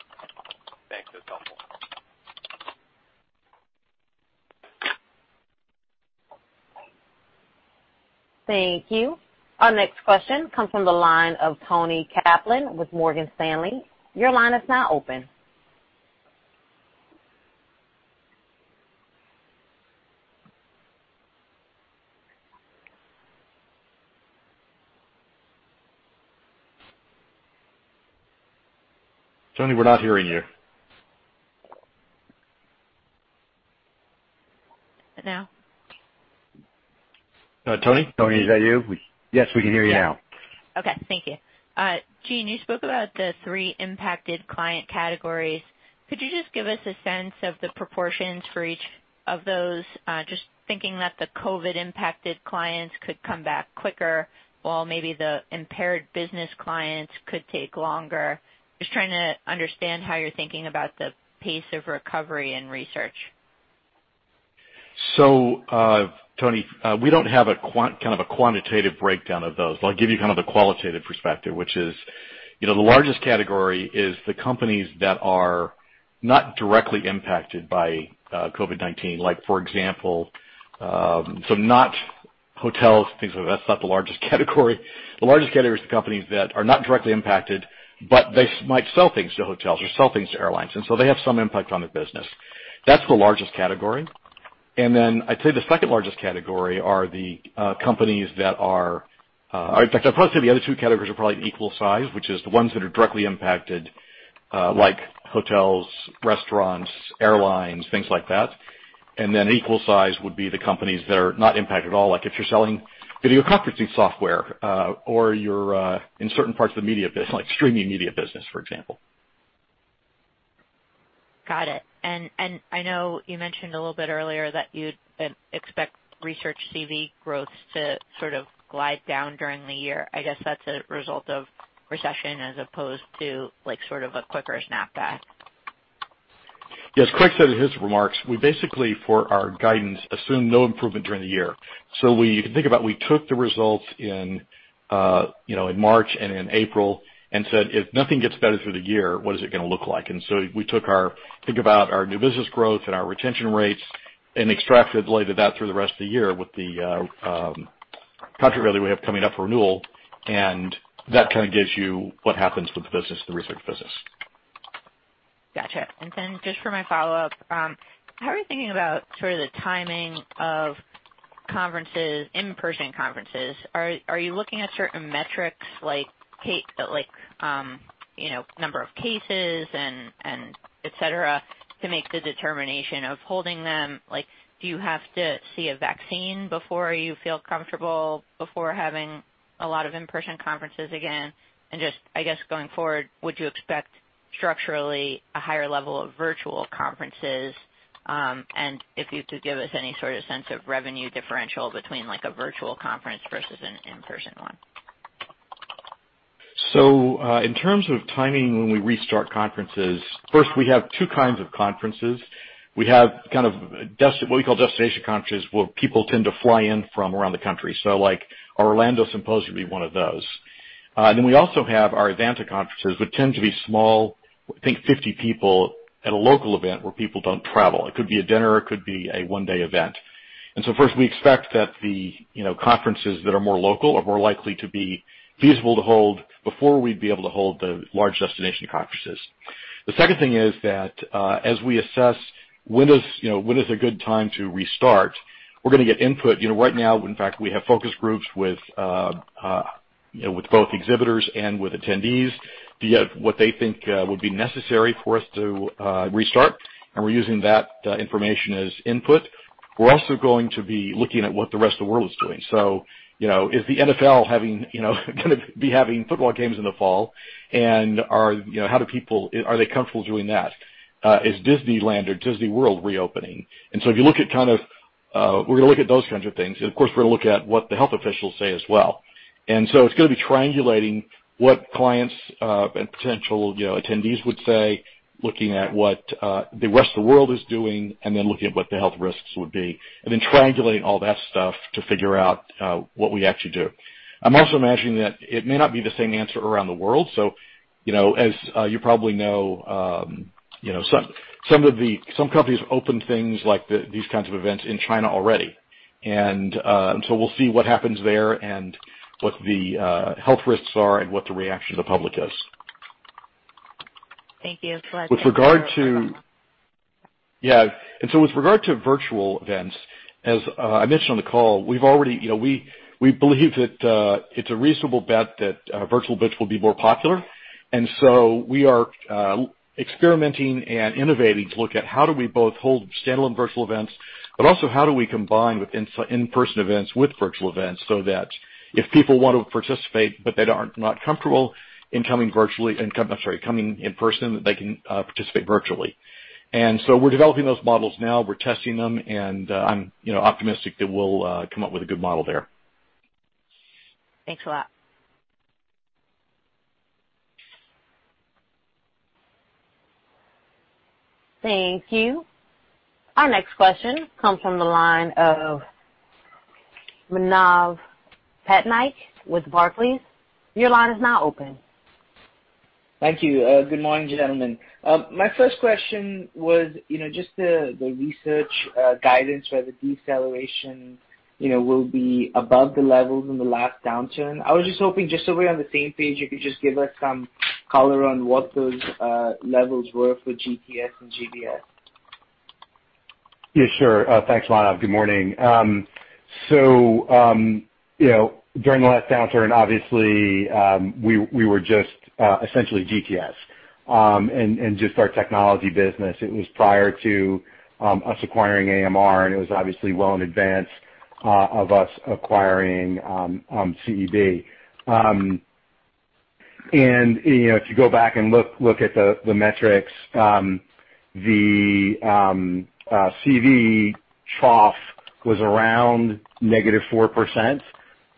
Thank you. Our next question comes from the line of Toni Kaplan with Morgan Stanley. Your line is now open. Toni, we're not hearing you. Now? Toni? Toni, is that you? Yes, we can hear you now. Okay. Thank you. Gene, you spoke about the three impacted client categories. Could you just give us a sense of the proportions for each of those? Just thinking that the COVID-impacted clients could come back quicker, while maybe the impaired business clients could take longer. Just trying to understand how you're thinking about the pace of recovery in research. Toni, we don't have a quantitative breakdown of those. I'll give you the qualitative perspective, which is, the largest category is the companies that are not directly impacted by COVID-19, for example, so not hotels, things like that. That's not the largest category. The largest category is the companies that are not directly impacted, but they might sell things to hotels or sell things to airlines. They have some impact on the business. That's the largest category. Then I'd say the second-largest category. In fact, I'd probably say the other two categories are probably equal size, which is the ones that are directly impacted, like hotels, restaurants, airlines, things like that. Then equal size would be the companies that are not impacted at all. If you're selling video conferencing software, or you're in certain parts of the media business, like streaming media business, for example. Got it. I know you mentioned a little bit earlier that you'd expect Research CV growth to sort of glide down during the year. I guess that's a result of recession as opposed to a quicker snap back. Yes. Craig said in his remarks, we basically, for our guidance, assume no improvement during the year. If you think about it, we took the results in March and in April and said, "If nothing gets better through the year, what is it going to look like?" We took our, think about our new business growth and our retention rates and extrapolated that through the rest of the year with the contract revenue we have coming up for renewal, and that kind of gives you what happens with the business, the research business. Got you. Just for my follow-up, how are you thinking about sort of the timing of conferences, in-person conferences? Are you looking at certain metrics like number of cases and et cetera to make the determination of holding them? Do you have to see a vaccine before you feel comfortable before having a lot of in-person conferences again? Just, I guess, going forward, would you expect structurally a higher level of virtual conferences? If you could give us any sort of sense of revenue differential between a virtual conference versus an in-person one. In terms of timing, when we restart conferences, first, we have two kinds of conferences. We have kind of what we call destination conferences, where people tend to fly in from around the country. Our Orlando symposium would be one of those. We also have our Evanta conferences, which tend to be small, I think 50 people at a local event where people don't travel. It could be a dinner, it could be a one-day event. First, we expect that the conferences that are more local are more likely to be feasible to hold before we'd be able to hold the large destination conferences. The second thing is that, as we assess when is a good time to restart, we're going to get input. Right now, in fact, we have focus groups with both exhibitors and with attendees via what they think would be necessary for us to restart, and we're using that information as input. We're also going to be looking at what the rest of the world is doing. Is the NFL going to be having football games in the fall, and are they comfortable doing that? Is Disneyland or Disney World reopening? We're going to look at those kinds of things. Of course, we're going to look at what the health officials say as well. It's going to be triangulating what clients and potential attendees would say, looking at what the rest of the world is doing, and then looking at what the health risks would be. Triangulating all that stuff to figure out what we actually do. I'm also imagining that it may not be the same answer around the world. As you probably know, some companies opened things like these kinds of events in China already. We'll see what happens there and what the health risks are and what the reaction of the public is. Thank you. Yeah. With regard to virtual events, as I mentioned on the call, we believe that it's a reasonable bet that virtual events will be more popular. We are experimenting and innovating to look at how do we both hold standalone virtual events, but also how do we combine in-person events with virtual events, so that if people want to participate but they are not comfortable coming in person, they can participate virtually. We're developing those models now. We're testing them, and I'm optimistic that we'll come up with a good model there. Thanks a lot. Thank you. Our next question comes from the line of Manav Patnaik with Barclays, your line is now open. Thank you. Good morning, gentlemen. My first question was just the research guidance for the deceleration will be above the levels in the last downturn. I was just hoping, just so we're on the same page, you could just give us some color on what those levels were for GTS and GBS. Yeah, sure. Thanks, Manav. Good morning. During the last downturn, obviously, we were just essentially GTS, and just our technology business. It was prior to us acquiring AMR. It was obviously well in advance of us acquiring CEB. If you go back and look at the metrics, the CV trough was around negative 4%.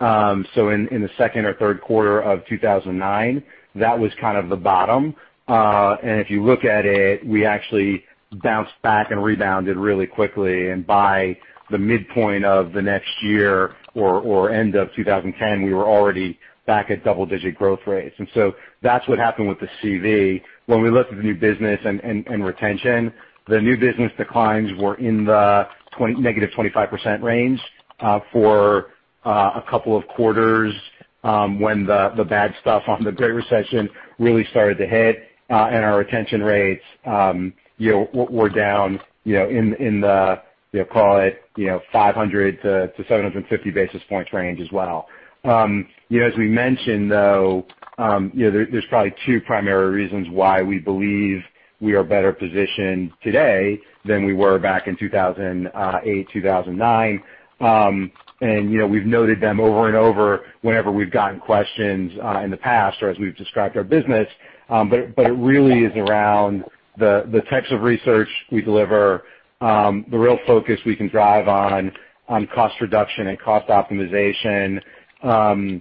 In the second or third quarter of 2009, that was kind of the bottom. If you look at it, we actually bounced back and rebounded really quickly. By the midpoint of the next year or end of 2010, we were already back at double-digit growth rates. That's what happened with the CV. When we looked at the new business and retention, the new business declines were in the negative 25% range for a couple of quarters when the bad stuff on the Great Recession really started to hit. Our retention rates were down in the, call it 500-750 basis points range as well. As we mentioned, though, there's probably two primary reasons why we believe we are better positioned today than we were back in 2008, 2009. We've noted them over and over whenever we've gotten questions in the past or as we've described our business. It really is around the types of research we deliver, the real focus we can drive on cost reduction and cost optimization, and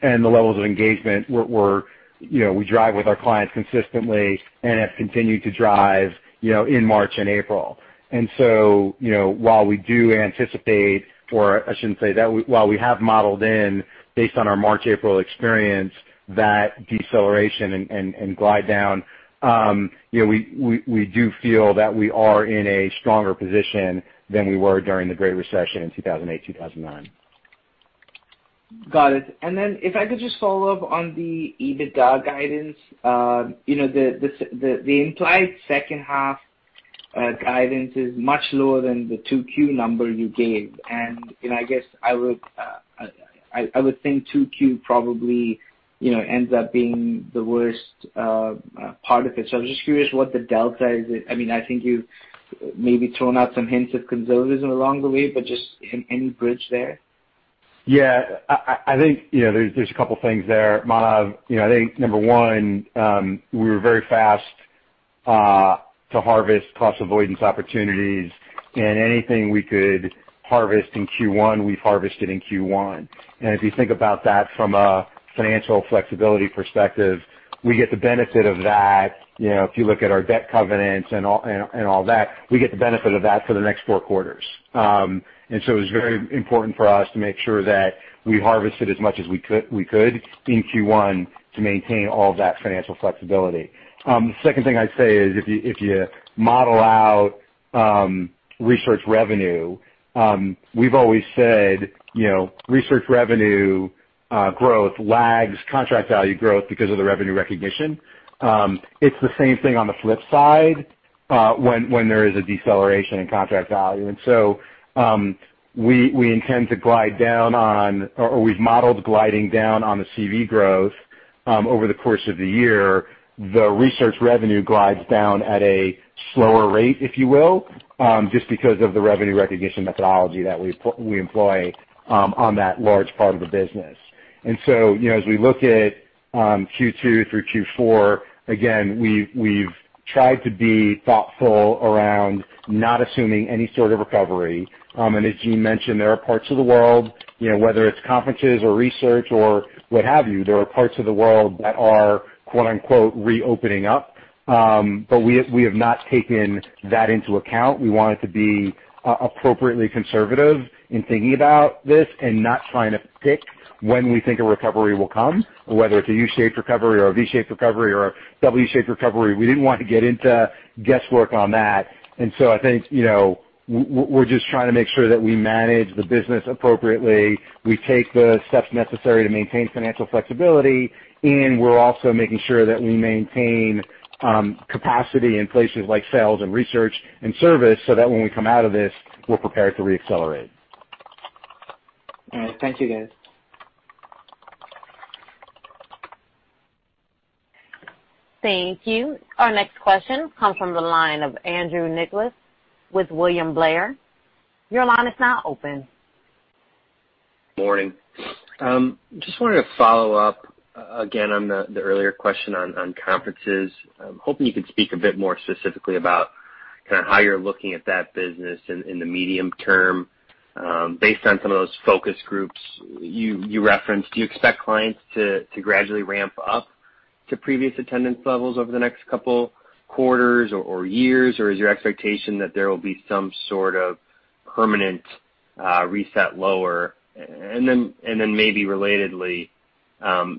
the levels of engagement we drive with our clients consistently and have continued to drive in March and April. While we do anticipate I shouldn't say that. While we have modeled in based on our March, April experience, that deceleration and glide down, we do feel that we are in a stronger position than we were during the Great Recession in 2008, 2009. Got it. If I could just follow up on the EBITDA guidance. The implied second half guidance is much lower than the 2Q number you gave. I guess I would think 2Q probably ends up being the worst part of it. I'm just curious what the delta is. I think you've maybe thrown out some hints of conservatism along the way, but just any bridge there? I think there's a couple things there, Manav. I think number one, we were very fast to harvest cost avoidance opportunities. Anything we could harvest in Q1, we've harvested in Q1. If you think about that from a financial flexibility perspective, we get the benefit of that. If you look at our debt covenants and all that, we get the benefit of that for the next four quarters. It was very important for us to make sure that we harvested as much as we could in Q1 to maintain all that financial flexibility. The second thing I'd say is, if you model out research revenue, we've always said research revenue growth lags contract value growth because of the revenue recognition. It's the same thing on the flip side, when there is a deceleration in contract value. We intend to glide down on, or we've modeled gliding down on the CV growth over the course of the year. The research revenue glides down at a slower rate, if you will, just because of the revenue recognition methodology that we employ on that large part of the business. As we look at Q2 through Q4, again, we've tried to be thoughtful around not assuming any sort of recovery. As Gene mentioned, there are parts of the world, whether it's conferences or research or what have you, there are parts of the world that are quote unquote, "Reopening up." We have not taken that into account. We wanted to be appropriately conservative in thinking about this and not trying to pick when we think a recovery will come, or whether it's a U-shaped recovery or a V-shaped recovery or a W-shaped recovery. We didn't want to get into guesswork on that. I think, we're just trying to make sure that we manage the business appropriately. We take the steps necessary to maintain financial flexibility, and we're also making sure that we maintain capacity in places like sales and research and service so that when we come out of this, we're prepared to re-accelerate. All right. Thank you, guys. Thank you. Our next question comes from the line of Andrew Nicholas with William Blair. Your line is now open. Morning. Just wanted to follow up again on the earlier question on conferences. I'm hoping you could speak a bit more specifically about how you're looking at that business in the medium term based on some of those focus groups you referenced. Do you expect clients to gradually ramp up to previous attendance levels over the next couple quarters or years? Is your expectation that there will be some sort of permanent reset lower? Maybe relatedly,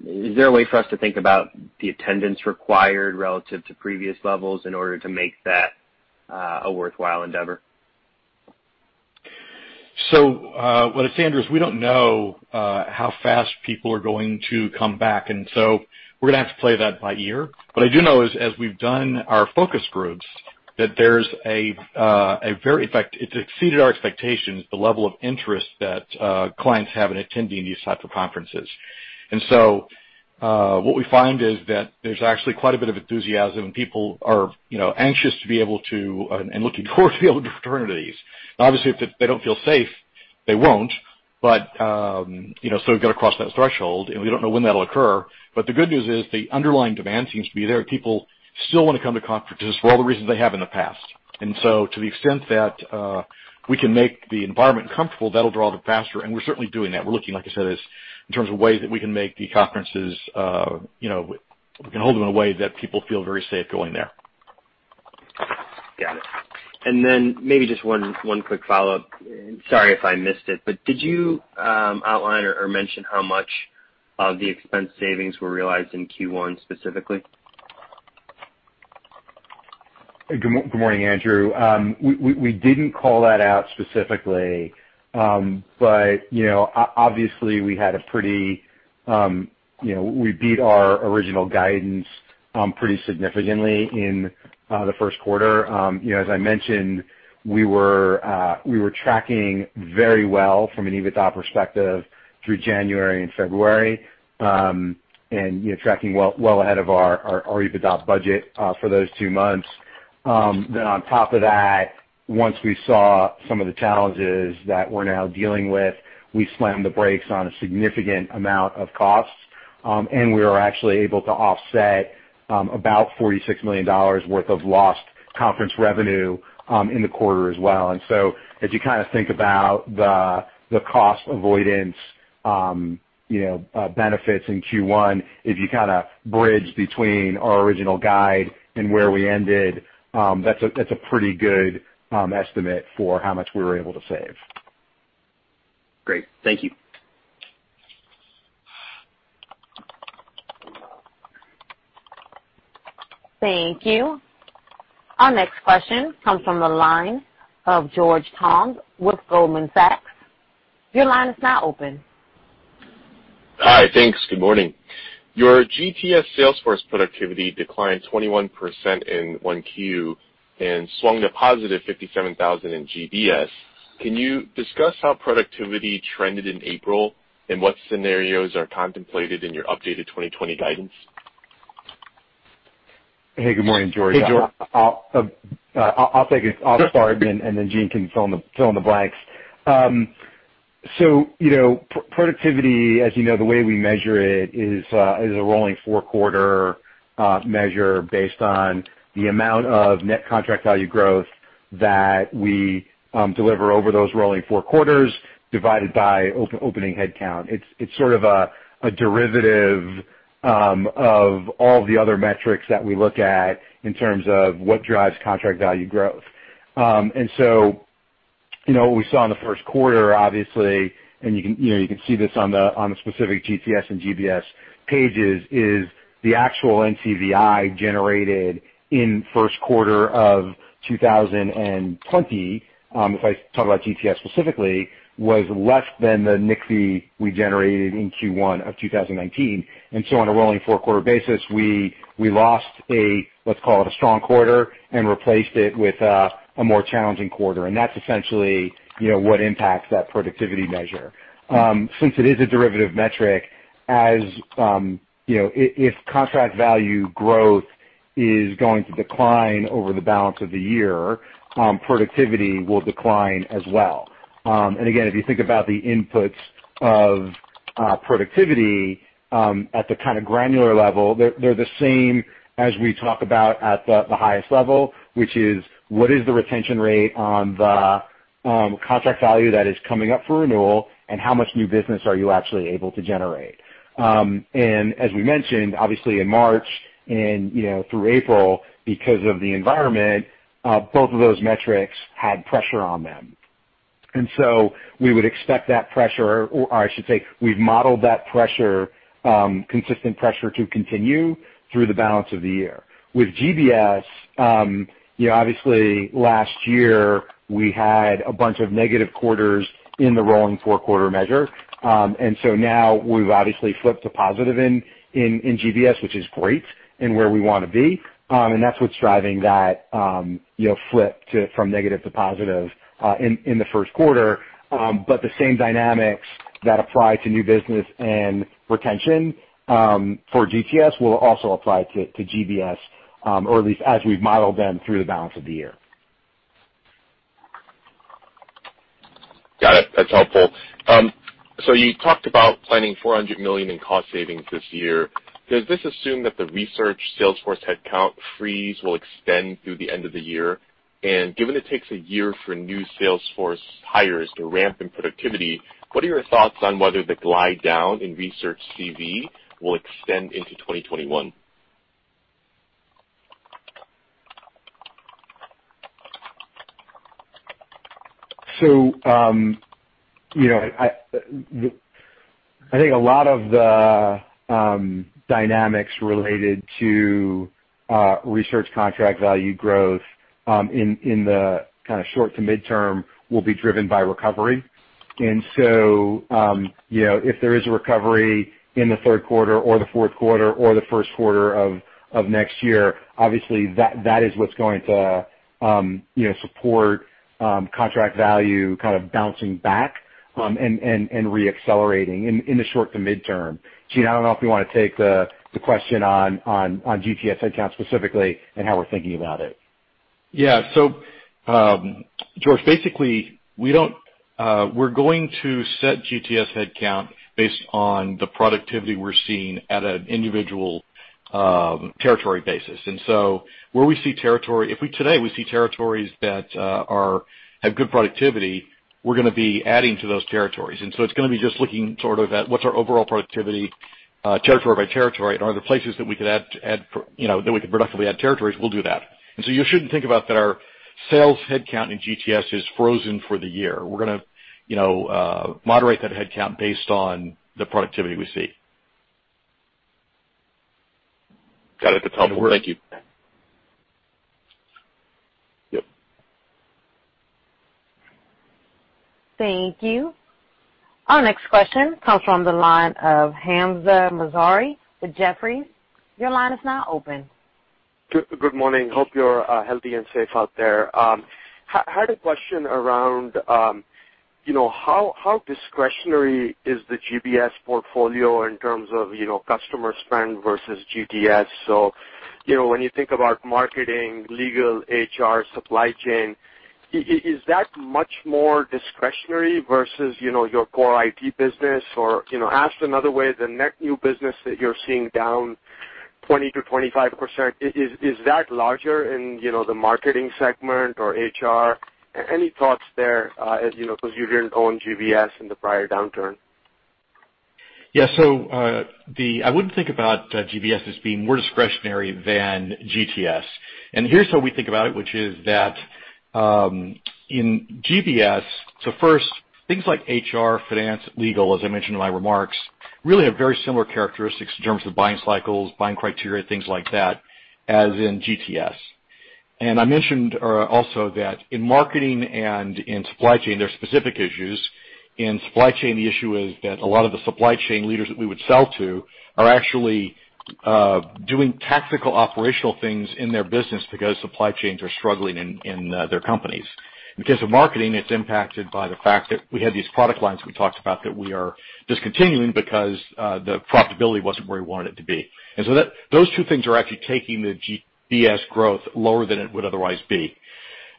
is there a way for us to think about the attendance required relative to previous levels in order to make that a worthwhile endeavor? Look, Andrew, we don't know how fast people are going to come back, we're going to have to play that by ear. What I do know is, as we've done our focus groups, that it's exceeded our expectations, the level of interest that clients have in attending these types of conferences. What we find is that there's actually quite a bit of enthusiasm, and people are anxious to be able to, and looking forward to be able to return to these. Now, obviously, if they don't feel safe, they won't. We've got to cross that threshold, and we don't know when that'll occur. The good news is the underlying demand seems to be there. People still want to come to conferences for all the reasons they have in the past. To the extent that we can make the environment comfortable, that'll draw them faster. We're certainly doing that. We're looking, like I said, in terms of ways that we can hold them in a way that people feel very safe going there. Got it. Maybe just one quick follow-up. Sorry if I missed it, did you outline or mention how much of the expense savings were realized in Q1 specifically? Good morning, Andrew. We didn't call that out specifically. Obviously, we beat our original guidance pretty significantly in the first quarter. As I mentioned, we were tracking very well from an EBITDA perspective through January and February. Tracking well ahead of our EBITDA budget for those two months. On top of that, once we saw some of the challenges that we're now dealing with, we slammed the brakes on a significant amount of costs, and we were actually able to offset about $46 million worth of lost conference revenue in the quarter as well. As you think about the cost avoidance benefits in Q1, if you kind of bridge between our original guide and where we ended, that's a pretty good estimate for how much we were able to save. Great. Thank you. Thank you. Our next question comes from the line of George Tong with Goldman Sachs. Your line is now open. Hi. Thanks. Good morning. Your GTS sales force productivity declined 21% in 1Q and swung to positive 57,000 in GBS. Can you discuss how productivity trended in April, and what scenarios are contemplated in your updated 2020 guidance? Hey, good morning, George. Hey, George. I'll start, and then Gene can fill in the blanks. Productivity, as you know, the way we measure it is a rolling four-quarter measure based on the amount of net contract value growth that we deliver over those rolling four quarters divided by opening headcount. It's sort of a derivative of all the other metrics that we look at in terms of what drives contract value growth. What we saw in the first quarter, obviously, and you can see this on the specific GTS and GBS pages, is the actual NCVI generated in first quarter of 2020, if I talk about GTS specifically, was less than the NCVI we generated in Q1 of 2019. On a rolling four-quarter basis, we lost a, let's call it a strong quarter, and replaced it with a more challenging quarter. That's essentially what impacts that productivity measure. Since it is a derivative metric, if contract value growth is going to decline over the balance of the year, productivity will decline as well. Again, if you think about the inputs of productivity at the kind of granular level, they're the same as we talk about at the highest level, which is what is the retention rate on the contract value that is coming up for renewal, and how much new business are you actually able to generate? As we mentioned, obviously in March and through April, because of the environment, both of those metrics had pressure on them. We would expect that pressure, or I should say we've modeled that pressure, consistent pressure to continue through the balance of the year. With GBS, obviously, last year, we had a bunch of negative quarters in the rolling four-quarter measure. Now we've obviously flipped to positive in GBS, which is great and where we want to be. That's what's driving that flip from negative to positive in the first quarter. The same dynamics that apply to new business and retention for GTS will also apply to GBS, or at least as we've modeled them through the balance of the year. Got it. That's helpful. You talked about planning $400 million in cost savings this year. Does this assume that the research sales force headcount freeze will extend through the end of the year? Given it takes a year for new sales force hires to ramp in productivity, what are your thoughts on whether the glide down in research CV will extend into 2021? I think a lot of the dynamics related to research contract value growth in the short to midterm will be driven by recovery. If there is a recovery in the third quarter or the fourth quarter or the first quarter of next year, obviously that is what's going to support contract value bouncing back, and re-accelerating in the short to midterm. Gene, I don't know if you want to take the question on GTS headcount specifically and how we're thinking about it. Yeah. George, basically, we're going to set GTS headcount based on the productivity we're seeing at an individual territory basis. If today we see territories that have good productivity, we're going to be adding to those territories. It's going to be just looking at what's our overall productivity territory by territory, and are there places that we could productively add territories? We'll do that. You shouldn't think about that our sales headcount in GTS is frozen for the year. We're going to moderate that headcount based on the productivity we see. Got it. That's helpful. Thank you. Yep. Thank you. Our next question comes from the line of Hamzah Mazari with Jefferies. Your line is now open. Good morning. Hope you're healthy and safe out there. I had a question around how discretionary is the GBS portfolio in terms of customer spend versus GTS? When you think about marketing, legal, HR, supply chain, is that much more discretionary versus your core IT business? Asked another way, the net new business that you're seeing down 20%-25%, is that larger in the marketing segment or HR? Any thoughts there? You didn't own GBS in the prior downturn. Yeah. I wouldn't think about GBS as being more discretionary than GTS. Here's how we think about it, which is that in GBS, first, things like HR, finance, legal, as I mentioned in my remarks, really have very similar characteristics in terms of buying cycles, buying criteria, things like that, as in GTS. I mentioned also that in marketing and in supply chain, there's specific issues. In supply chain, the issue is that a lot of the supply chain leaders that we would sell to are actually doing tactical operational things in their business because supply chains are struggling in their companies. In the case of marketing, it's impacted by the fact that we had these product lines we talked about that we are discontinuing because the profitability wasn't where we wanted it to be. Those two things are actually taking the GBS growth lower than it would otherwise be.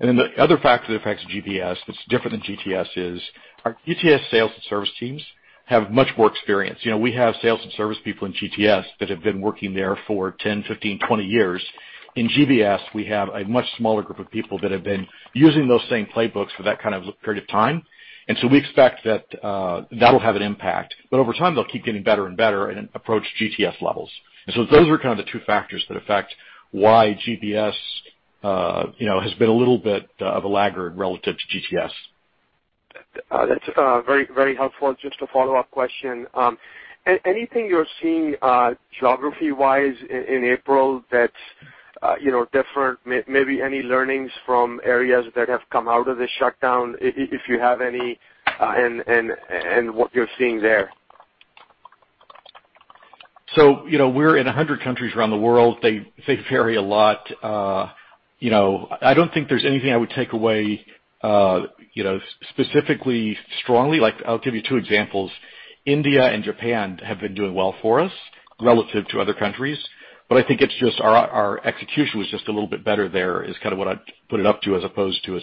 The other factor that affects GBS that's different than GTS is our GTS sales and service teams have much more experience. We have sales and service people in GTS that have been working there for 10, 15, 20 years. In GBS, we have a much smaller group of people that have been using those same playbooks for that period of time. We expect that that'll have an impact, but over time, they'll keep getting better and better and approach GTS levels. Those are kind of the two factors that affect why GBS has been a little bit of a laggard relative to GTS. That's very helpful. Just a follow-up question. Anything you're seeing geography-wise in April that's different? Maybe any learnings from areas that have come out of the shutdown, if you have any, and what you're seeing there? We're in 100 countries around the world. They vary a lot. I don't think there's anything I would take away specifically strongly. I'll give you two examples. India and Japan have been doing well for us relative to other countries, but I think it's just our execution was just a little bit better there is what I'd put it up to, as opposed to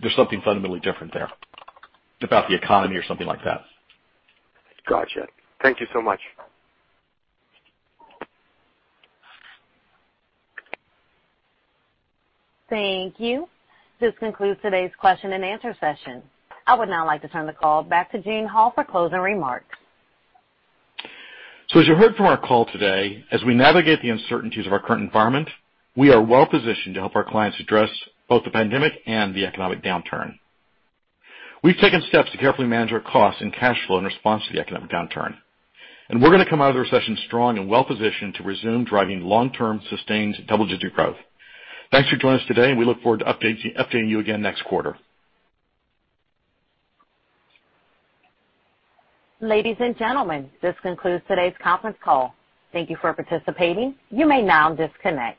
there's something fundamentally different there about the economy or something like that. Got you. Thank you so much. Thank you. This concludes today's question and answer session. I would now like to turn the call back to Gene Hall for closing remarks. As you heard from our call today, as we navigate the uncertainties of our current environment, we are well-positioned to help our clients address both the pandemic and the economic downturn. We've taken steps to carefully manage our costs and cash flow in response to the economic downturn. We're going to come out of the recession strong and well-positioned to resume driving long-term, sustained double-digit growth. Thanks for joining us today, and we look forward to updating you again next quarter. Ladies and gentlemen, this concludes today's conference call. Thank you for participating. You may now disconnect.